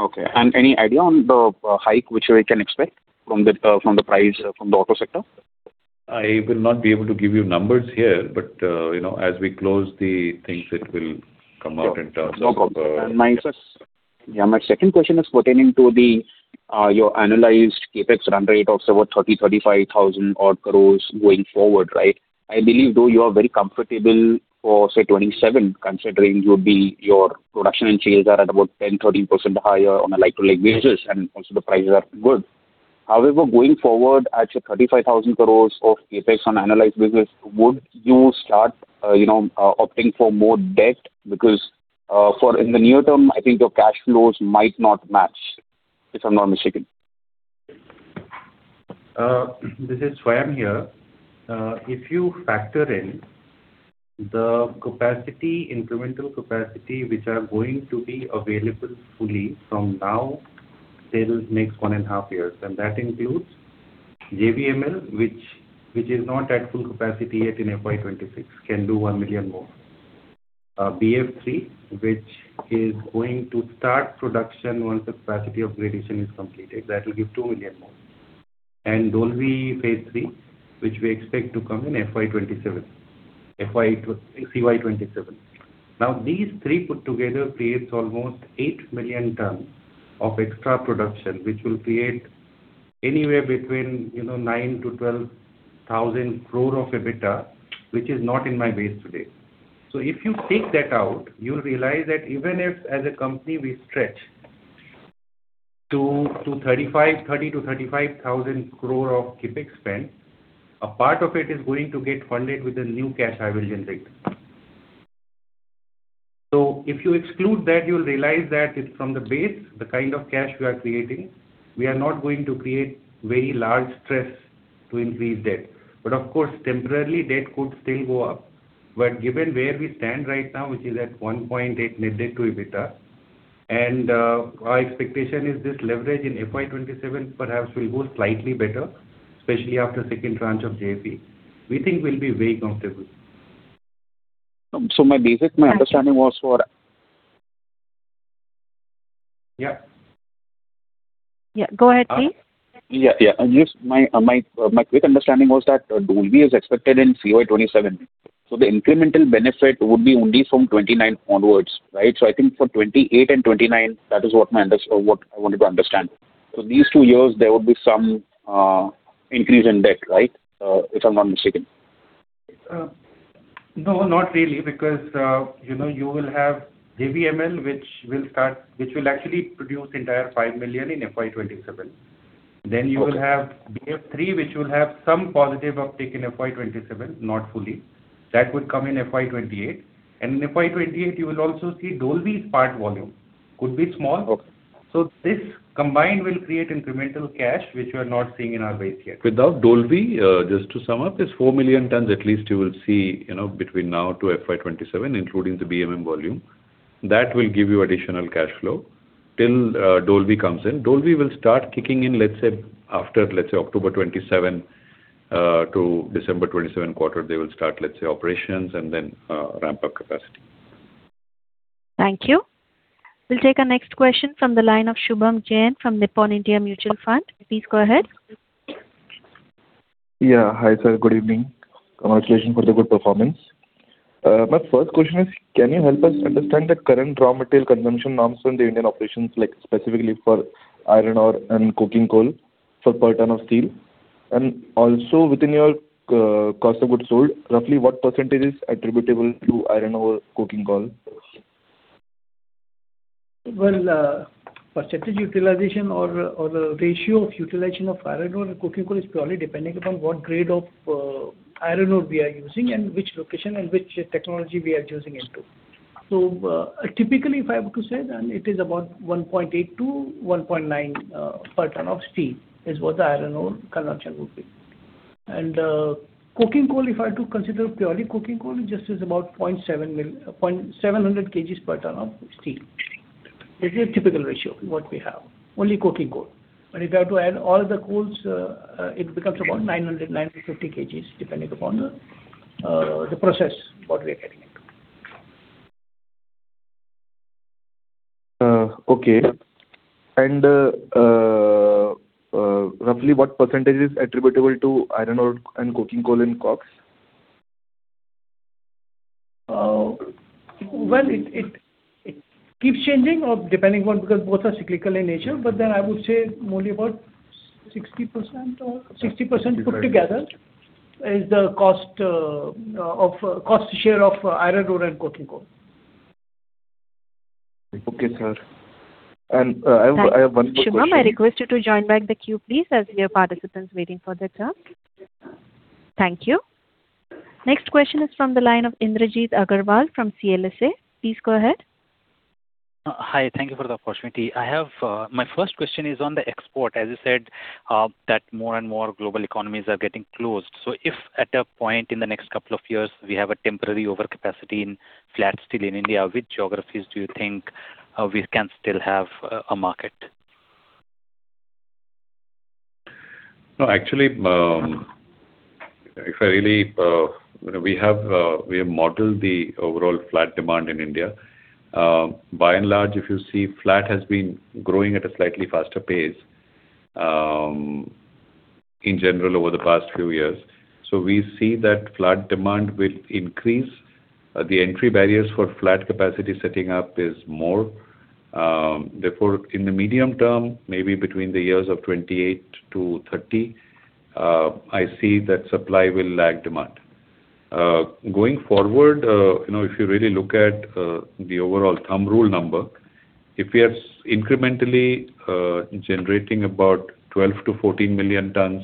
Okay. Any idea on the hike which we can expect from the price from the auto sector? I will not be able to give you numbers here, but, you know, as we close the things it will come out in terms of. No problem. My second question is pertaining to the your analyzed CapEx run rate of about 30,000, 35,000 odd crores going forward, right? I believe though you are very comfortable for say FY 2027 considering would be your production and sales are at about 10%-13% higher on a like-to-like basis and also the prices are good. However, going forward at your 35,000 crores of CapEx on analyzed business, would you start, you know, opting for more debt? Because for in the near term, I think your cash flows might not match, if I'm not mistaken. This is Swayam here. If you factor in the capacity, incremental capacity which are going to be available fully from now till next 1.5 years, and that includes JVML, which is not at full capacity yet in FY 2026 can do 1 million more. BF3, which is going to start production once the capacity upgradation is completed, that will give 2 million more. Dolvi Phase three, which we expect to come in FY 2027. CY 2027. These three put together creates almost 8 million tons of extra production, which will create anywhere between, you know, 9,000 crore-12,000 crore of EBITDA, which is not in my base today. If you take that out, you'll realize that even if as a company we stretch to 30,000 crore-35,000 crore of CapEx spend, a part of it is going to get funded with the new cash I will generate. If you exclude that, you'll realize that it's from the base, the kind of cash we are creating. We are not going to create very large stress to increase debt. Of course, temporarily debt could still go up. Given where we stand right now, which is at 1.8 net debt to EBITDA, and our expectation is this leverage in FY 2027 perhaps will go slightly better, especially after second tranche of JFE. We think we'll be very comfortable. Um, so my basic- And- My understanding was. Yeah. Yeah, go ahead, please. Yeah, yeah. Just my quick understanding was that Dolvi is expected in CY 2027. The incremental benefit would be only from 2029 onwards, right? I think for 2028 and 2029, that is what I wanted to understand. These two years there would be some increase in debt, right? If I'm not mistaken. No, not really because, you know, you will have JVML which will start, which will actually produce entire 5 million in FY 2027. Okay. You will have BF3, which will have some positive uptick in FY 2027, not fully. That would come in FY 2028. In FY 2028 you will also see Dolvi's part volume. Could be small. Okay. This combined will create incremental cash which you are not seeing in our base yet. Without Dolvi, just to sum up, it's 4 million tons at least you will see, you know, between now to FY 2027, including the BMM volume. That will give you additional cash flow till Dolvi comes in. Dolvi will start kicking in, let's say, after, let's say October 2027, to December 2027 quarter they will start, let's say, operations and then ramp up capacity. Thank you. We'll take our next question from the line of Shubham Jain from Nippon India Mutual Fund. Please go ahead. Yeah. Hi, sir. Good evening. Congratulations for the good performance. My first question is, can you help us understand the current raw material consumption norms from the Indian operations, like specifically for iron ore and coking coal for per ton of steel? Also within your cost of goods sold, roughly what % is attributable to iron ore, coking coal? Percentage utilization or the ratio of utilization of iron ore and coking coal is purely depending upon what grade of iron ore we are using and which location and which technology we are using it to. So, typically, if I have to say then it is about 1.8-1.9 per ton of steel is what the iron ore consumption would be. Coking coal, if I had to consider purely coking coal, it just is about 700 kgs per ton of steel. This is a typical ratio what we have, only coking coal. If you have to add all the coals, it becomes about 900, 950 kgs, depending upon the process what we are getting into. Okay. Roughly what % is attributable to iron ore and coking coal in costs? It keeps changing or depending on because both are cyclical in nature, I would say only about 60% or 60% put together is the cost, of, cost share of iron ore and coking coal. Okay, sir. I have one more question. Thank you, Shubham. I request you to join back the queue, please, as we have participants waiting for their turn. Thank you. Next question is from the line of Indrajit Agarwal from CLSA. Please go ahead. Hi. Thank you for the opportunity. My first question is on the export. As you said, that more and more global economies are getting closed. If at a point in the next two years we have a temporary overcapacity in flat steel in India, which geographies do you think we can still have a market? No, actually, you know, we have, we have modeled the overall flat demand in India. By and large, if you see flat has been growing at a slightly faster pace, in general over the past few years. We see that flat demand will increase. The entry barriers for flat capacity setting up is more. Therefore, in the medium term, maybe between the years of 28 to 30, I see that supply will lag demand. Going forward, you know, if you really look at the overall thumb rule number, if we are incrementally generating about 12 to 14 million tons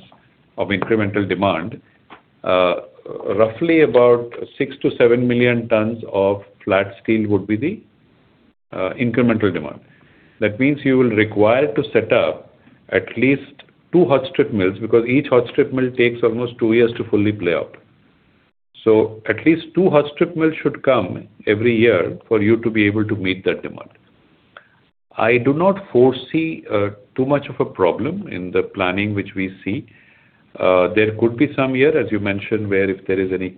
of incremental demand, roughly about 6 to 7 million tons of flat steel would be the incremental demand. That means you will require to set up at least two hot strip mills, because each hot strip mill takes almost two years to fully play out. At least two hot strip mills should come every year for you to be able to meet that demand. I do not foresee too much of a problem in the planning which we see. There could be some year, as you mentioned, where if there is any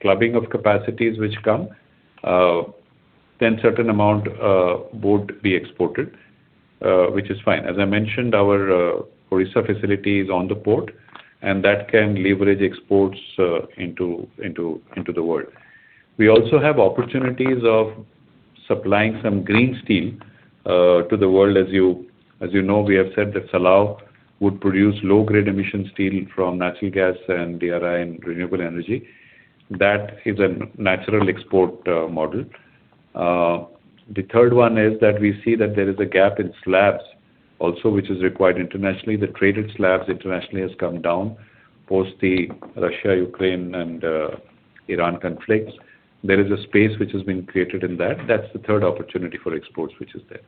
clubbing of capacities which come, then certain amount would be exported, which is fine. As I mentioned, our Odisha facility is on the port, and that can leverage exports into, into the world. We also have opportunities of supplying some green steel to the world. As you know, we have said that Salem would produce low-carbon emission steel from natural gas and DRI and renewable energy. That is a natural export model. The third one is that we see that there is a gap in slabs also, which is required internationally. The traded slabs internationally has come down post the Russia, Ukraine and Iran conflicts. There is a space which has been created in that. That's the third opportunity for exports, which is there.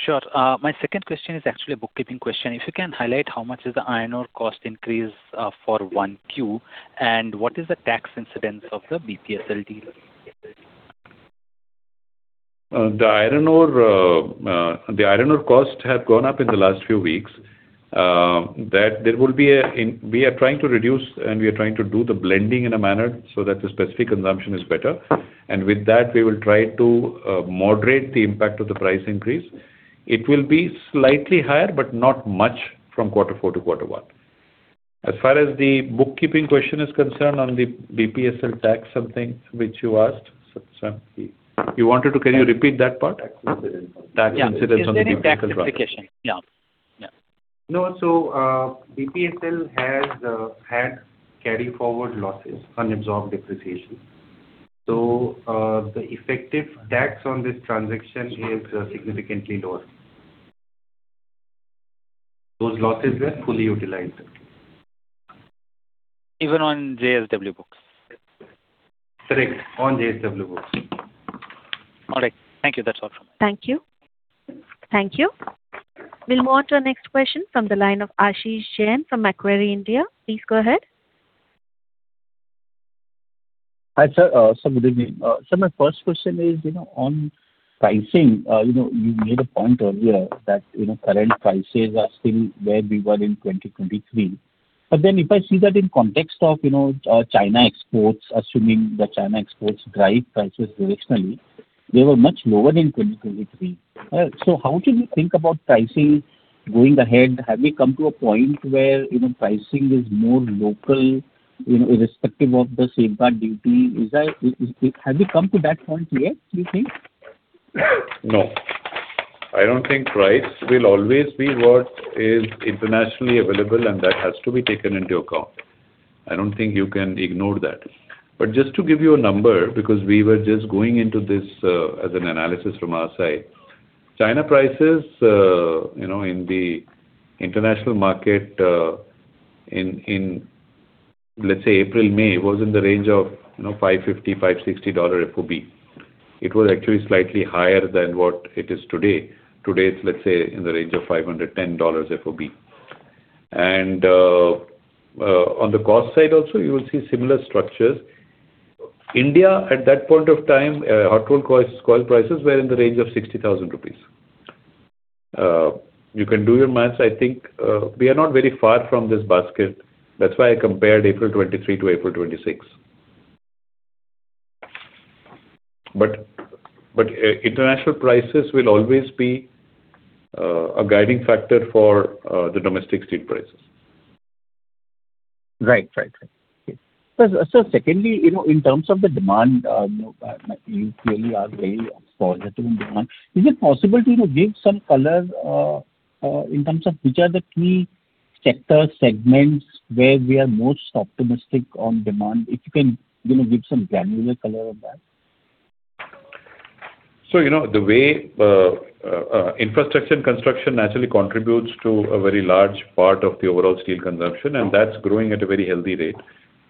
Sure. My second question is actually a bookkeeping question. If you can highlight how much is the iron ore cost increase, for 1Q, and what is the tax incidence of the BPSL deal? The iron ore cost have gone up in the last few weeks. We are trying to reduce, and we are trying to do the blending in a manner so that the specific consumption is better. With that, we will try to moderate the impact of the price increase. It will be slightly higher, but not much from quarter four to quarter one. As far as the bookkeeping question is concerned on the BPSL tax, something which you asked, Sam, can you repeat that part? Tax incidence on the BPSL. Yeah. Incidence on the BPSL. Got it. Is there any tax implication? Yeah. Yeah. BPSL has had carry forward losses, unabsorbed depreciation. The effective tax on this transaction is significantly lower. Those losses were fully utilized. Even on JSW books? Correct. On JSW books. All right. Thank you. That's all from my end. Thank you. Thank you. We'll move on to our next question from the line of Ashish Jain from Macquarie India. Please go ahead. Hi, sir. Sir, good evening. Sir, my first question is, you know, on pricing. You know, you made a point earlier that, you know, current prices are still where we were in 2023. If I see that in context of, you know, China exports, assuming the China exports drive prices directionally, they were much lower in 2023. How should we think about pricing going ahead? Have we come to a point where, you know, pricing is more local, you know, irrespective of the safeguard duty? Have we come to that point yet, do you think? No. I don't think price will always be what is internationally available, and that has to be taken into account. I don't think you can ignore that. Just to give you a number, because we were just going into this, as an analysis from our side. China prices, you know, in the international market, in, let's say, April, May, was in the range of, you know, $550-$560 FOB. It was actually slightly higher than what it is today. Today, it's, let's say, in the range of $510 FOB. On the cost side also, you will see similar structures. India, at that point of time, hot-rolled coils, coil prices were in the range of 60,000 rupees. You can do your math. I think, we are not very far from this basket. That's why I compared April 23 to April 26. International prices will always be a guiding factor for the domestic steel prices. Right. Right. Right. Okay. Secondly, you know, in terms of the demand, you know, you clearly are very positive in demand. Is it possible to give some color in terms of which are the key sectors, segments where we are most optimistic on demand? If you can, you know, give some granular color on that. You know, the way infrastructure and construction naturally contributes to a very large part of the overall steel consumption, and that's growing at a very healthy rate.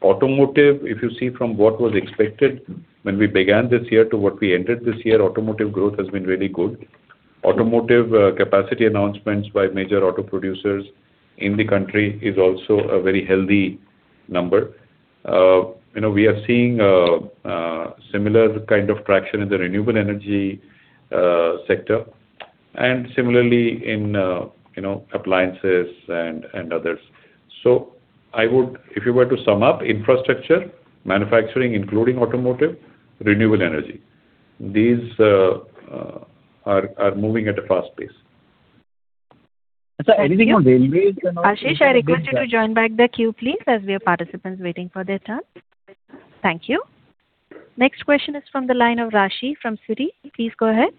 Automotive, if you see from what was expected when we began this year to what we entered this year, automotive growth has been really good. Automotive capacity announcements by major auto producers in the country is also a very healthy number. You know, we are seeing similar kind of traction in the renewable energy sector and similarly in, you know, appliances and others. If you were to sum up infrastructure, manufacturing including automotive, renewable energy. These are moving at a fast pace. Anything on railways? Ashish, I request you to join back the queue, please, as we have participants waiting for their turn. Thank you. Next question is from the line of Raashi from Citi. Please go ahead.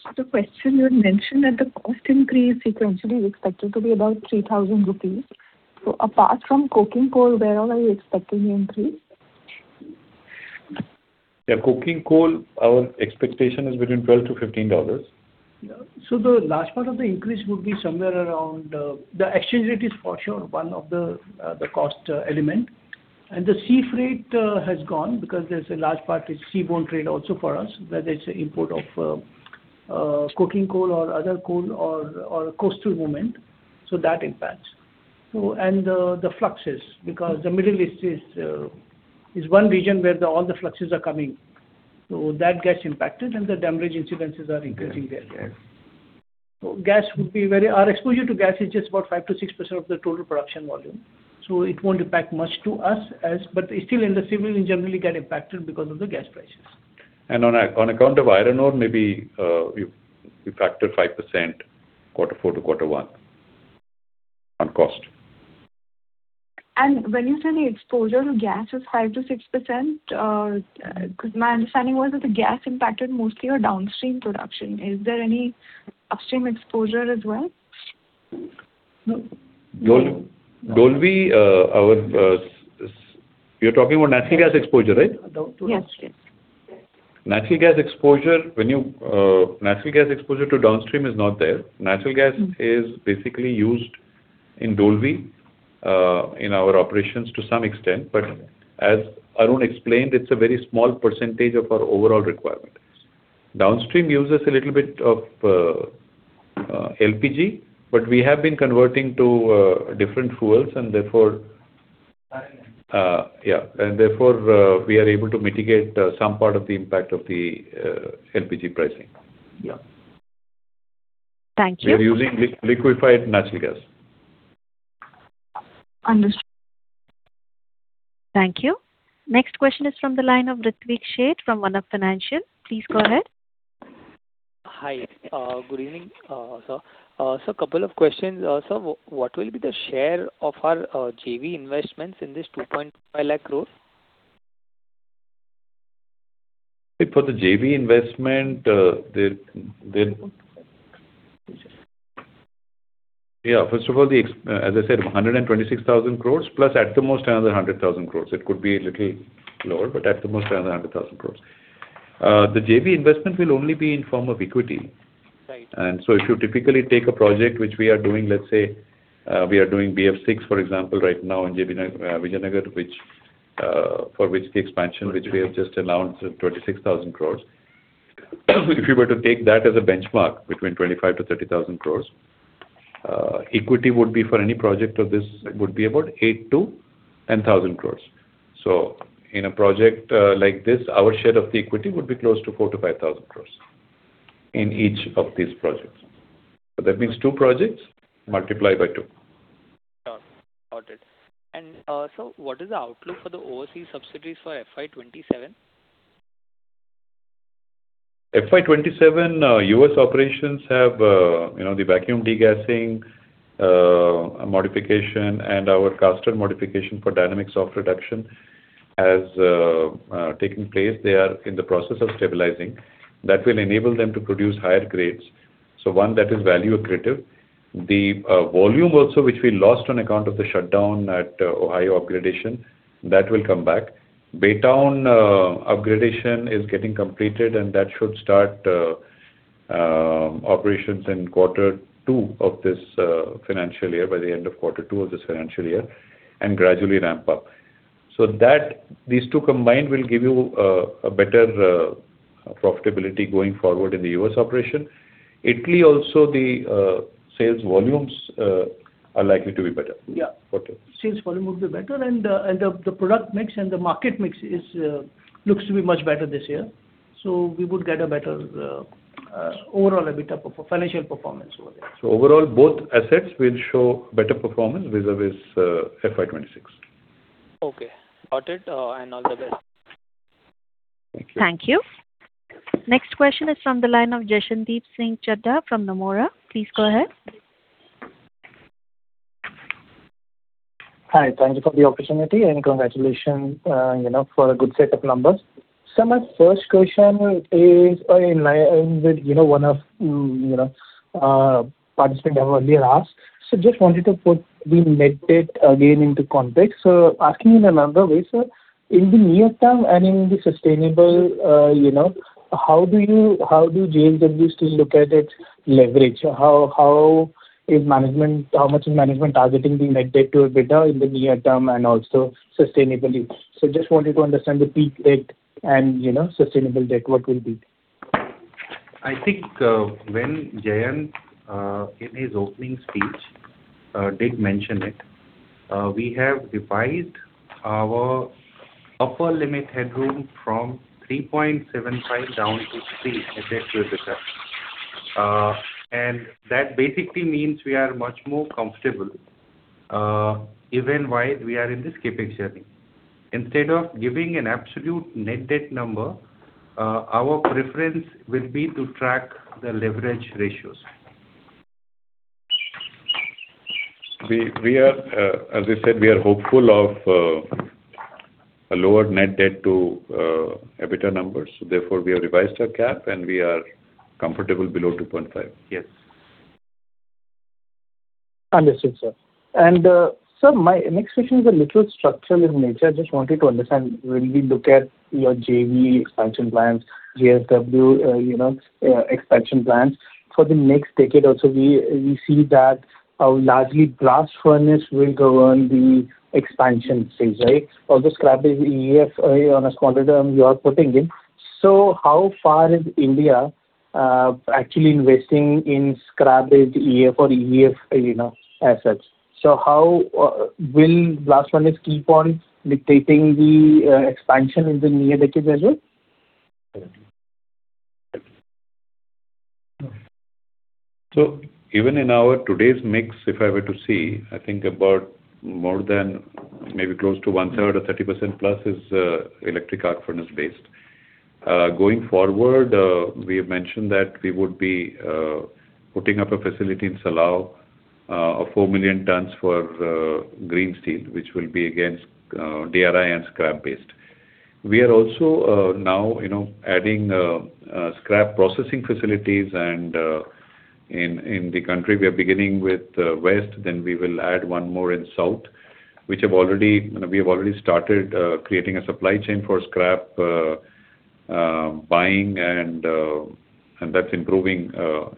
Just a question. You had mentioned that the cost increase sequentially is expected to be about 3,000 rupees. Apart from coking coal, where all are you expecting the increase? Yeah, coking coal, our expectation is between $12-$15. Yeah. The large part of the increase would be somewhere around, the exchange rate is for sure one of the cost element. The sea freight has gone because there's a large part is seaborne trade also for us, whether it's the import of coking coal or other coal or coastal movement. That impacts. The fluxes because the Middle East is one region where all the fluxes are coming. That gets impacted and the damage incidences are increasing there. Yes. Yes. Our exposure to gas is just about 5% to 6% of the total production volume. It won't impact much to us. Still, in the civil, we generally get impacted because of the gas prices. On account of iron ore, maybe, we factor 5% quarter four to quarter one on cost. When you say the exposure to gas is 5%-6%, 'cause my understanding was that the gas impacted mostly your downstream production. Is there any upstream exposure as well? No. Dolvi, you're talking about natural gas exposure, right? Yes. Yes. Natural gas exposure when you, natural gas exposure to downstream is not there. is basically used in Dolvi in our operations to some extent. As Arun explained, it's a very small % of our overall requirement. Downstream uses a little bit of LPG, but we have been converting to different fuels. Yeah. Yeah. Therefore, we are able to mitigate some part of the impact of the LPG pricing. Yeah. Thank you. We are using liquefied natural gas. Understood. Thank you. Next question is from the line of Ritwik Sheth from Anand Rathi. Please go ahead. Hi. Good evening, sir. A couple of questions. Sir, what will be the share of our JV investments in this 250,000 crore? For the JV investment, they. Which is- First of all, as I said, 126,000 crores plus at the most another 100,000 crores. It could be a little lower, at the most another 100,000 crores. The JV investment will only be in form of equity. Right. If you typically take a project which we are doing, let's say, we are doing BF6, for example, right now in JV, Vijayanagar, for which the expansion which we have just announced, 26,000 crores. If you were to take that as a benchmark between 25,000-30,000 crores, equity would be for any project of this, it would be about 8,000-10,000 crores. In a project, like this, our share of the equity would be close to 4,000-5,000 crores in each of these projects. That means two projects multiply by two. Sure. Got it. Sir, what is the outlook for the overseas subsidies for FY 2027? FY 2027, U.S. operations have, you know, the vacuum degassing modification and our caster modification for dynamic soft reduction has taken place. They are in the process of stabilizing. That will enable them to produce higher grades. One that is value accretive. The volume also which we lost on account of the shutdown at Ohio upgradation, that will come back. Baytown upgradation is getting completed, and that should start operations in quarter two of this financial year, by the end of quarter two of this financial year, and gradually ramp up. These two combined will give you a better profitability going forward in the U.S. operation. Italy also, the sales volumes are likely to be better. Yeah. Okay. Sales volume will be better and the product mix and the market mix is, looks to be much better this year. We would get a better, overall EBITDA financial performance over there. Overall, both assets will show better performance vis-à-vis FY 2026. Okay. Got it. All the best. Thank you. Thank you. Next question is from the line of Jashandeep Singh Chadha from Nomura. Please go ahead. Hi. Thank you for the opportunity and congratulations, you know, for a good set of numbers. My first question is in line with, you know, one of, you know, participant have earlier asked. Just wanted to put the net debt again into context. Asking in another way, sir. In the near term and in the sustainable, you know, how do you, how do JSW Steel look at its leverage? How much is management targeting the net debt to EBITDA in the near term and also sustainably? Just wanted to understand the peak debt and, you know, sustainable debt, what will be. I think, when Jayant, in his opening speech, did mention it, we have revised our upper limit headroom from 3.75 down to 3 net debt to EBITDA. That basically means we are much more comfortable, even while we are in this CapEx journey. Instead of giving an absolute net debt number, our preference will be to track the leverage ratios. We are, as I said, we are hopeful of a lower net debt to EBITDA numbers. Therefore, we have revised our Cap and we are comfortable below 2.5. Yes. Understood, sir. Sir, my next question is a little structural in nature. I just wanted to understand when we look at your JV expansion plans, JSW, you know, expansion plans for the next decade also, we see that, largely blast furnace will govern the expansion phase, right? All the scrap-based EAF, on a smaller term you are putting in. How far is India actually investing in scrap-based EAF, you know, assets? How will blast furnace keep on dictating the expansion in the near decade as well? Even in our today's mix, if I were to see, I think about more than maybe close to one-third or 30% plus is electric arc furnace based. Going forward, we have mentioned that we would be putting up a facility in Salem of 4 million tons for Green Steel, which will be against DRI and scrap based. We are also, now, you know, adding scrap processing facilities and in the country. We are beginning with west, then we will add one more in south, which have already You know, we have already started creating a supply chain for scrap buying and that's improving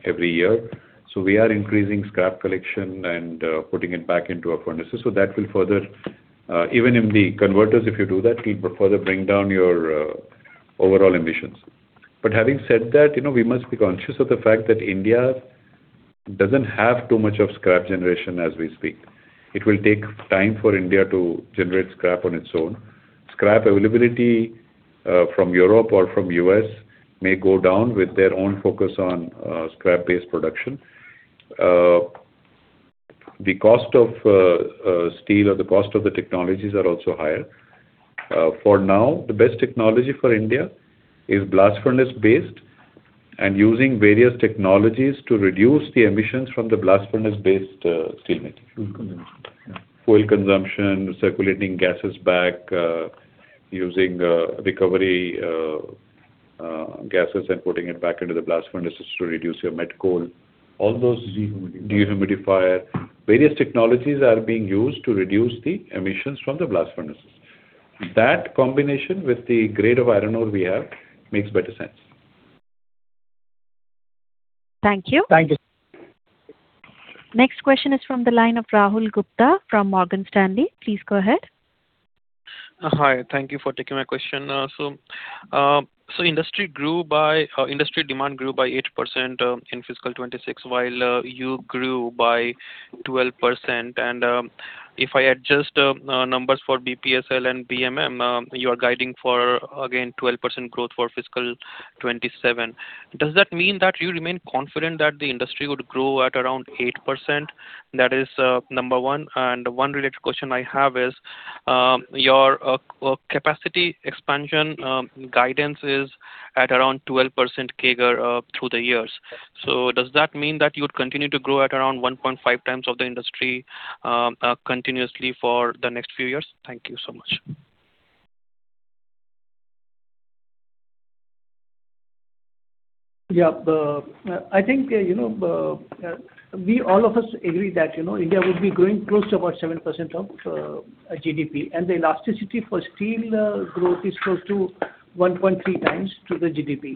every year. We are increasing scrap collection and putting it back into our furnaces. That will further, even in the converters if you do that, it'll further bring down your overall emissions. Having said that, you know, we must be conscious of the fact that India doesn't have too much of scrap generation as we speak. It will take time for India to generate scrap on its own. Scrap availability from Europe or from U.S. may go down with their own focus on scrap-based production. The cost of steel or the cost of the technologies are also higher. For now, the best technology for India is blast furnace based and using various technologies to reduce the emissions from the blast furnace based steel making. Fuel consumption circulating gases back, using, recovery, gases and putting it back into the blast furnaces to reduce your met coal. Dehumidifier. Dehumidifier. Various technologies are being used to reduce the emissions from the blast furnaces. That combination with the grade of iron ore we have makes better sense. Thank you. Thank you. Next question is from the line of Rahul Gupta from Morgan Stanley. Please go ahead. Hi. Thank you for taking my question. Industry demand grew by 8% in FY 2026 while you grew by 12%. If I adjust numbers for BPSL and BMM, you are guiding for again 12% growth for FY 2027. Does that mean that you remain confident that the industry would grow at around 8%? That is number one. One related question I have is your capacity expansion guidance is at around 12% CAGR through the years. Does that mean that you would continue to grow at around 1.5 times of the industry continuously for the next few years? Thank you so much. Yeah. I think, you know, we all of us agree that, you know, India will be growing close to about 7% of GDP. The elasticity for steel growth is close to 1.3 times to the GDP.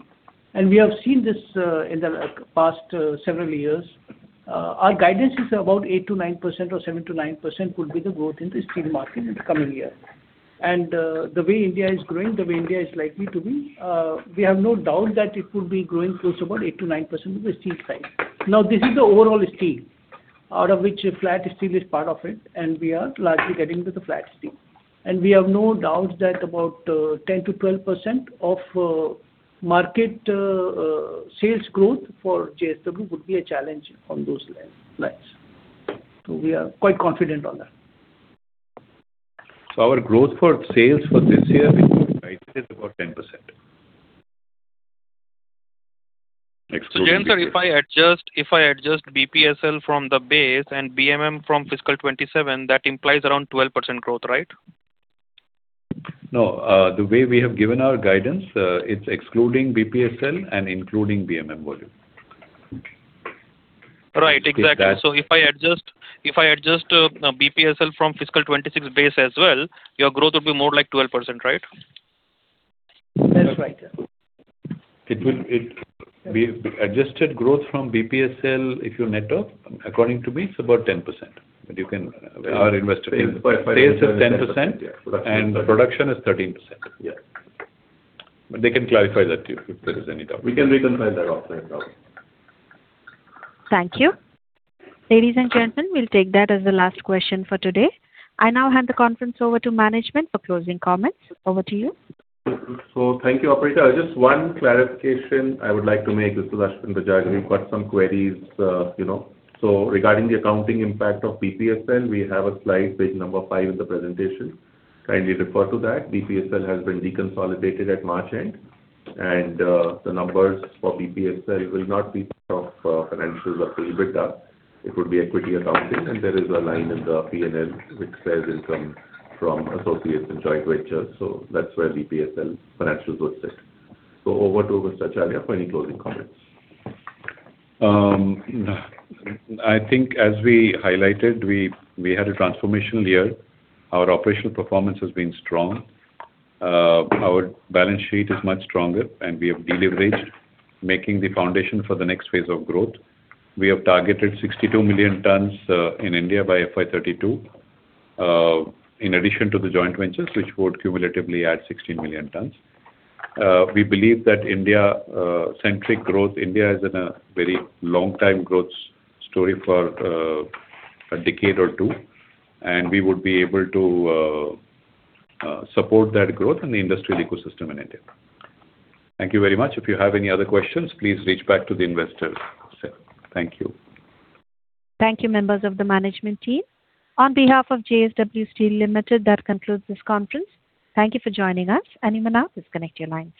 We have seen this in the past several years. Our guidance is about 8%-9% or 7%-9% would be the growth in the steel market in the coming year. The way India is growing, the way India is likely to be, we have no doubt that it will be growing close to about 8%-9% of the steel side. Now, this is the overall steel, out of which flat steel is part of it, and we are largely getting to the flat steel. We have no doubt that about 10%-12% of market sales growth for JSW would be a challenge on those lines. We are quite confident on that. Our growth for sales for this year, we have guided is about 10%. Jayant sir, if I adjust BPSL from the base and BMM from FY 2027, that implies around 12% growth, right? No. The way we have given our guidance, it's excluding BPSL and including BMM volume. Right. Exactly. If you take that- If I adjust BPSL from fiscal 2026 base as well, your growth would be more like 12%, right? That's right. We've adjusted growth from BPSL if you net off. According to me, it's about 10%. You can ask our investor. Sales is 10% and production is 13%. Yeah. They can clarify that to you if there is any doubt. We can reconcile that offline, no problem. Thank you. Ladies and gentlemen, we will take that as the last question for today. I now hand the conference over to management for closing comments. Over to you. Thank you, operator. Just one clarification I would like to make. This is Ashwin Bajaj. We've got some queries, you know. Regarding the accounting impact of BPSL, we have a slide, page number five in the presentation. Kindly refer to that. BPSL has been deconsolidated at March end, and the numbers for BPSL will not be part of financials or EBITDA. It would be equity accounting. There is a line in the P&L which says income from associates and joint ventures. That's where BPSL financials would sit. Over to Mr. Acharya for any closing comments. I think as we highlighted, we had a transformational year. Our operational performance has been strong. Our balance sheet is much stronger, and we have deleveraged, making the foundation for the next phase of growth. We have targeted 62 million tonnes in India by FY 2032, in addition to the joint ventures which would cumulatively add 16 million tonnes. We believe that India centric growth, India is in a very long time growth story for a decade or two, and we would be able to support that growth in the industrial ecosystem in India. Thank you very much. If you have any other questions, please reach back to the investor site. Thank you. Thank you, members of the management team. On behalf of JSW Steel Limited, that concludes this conference. Thank you for joining us. You may now disconnect your line.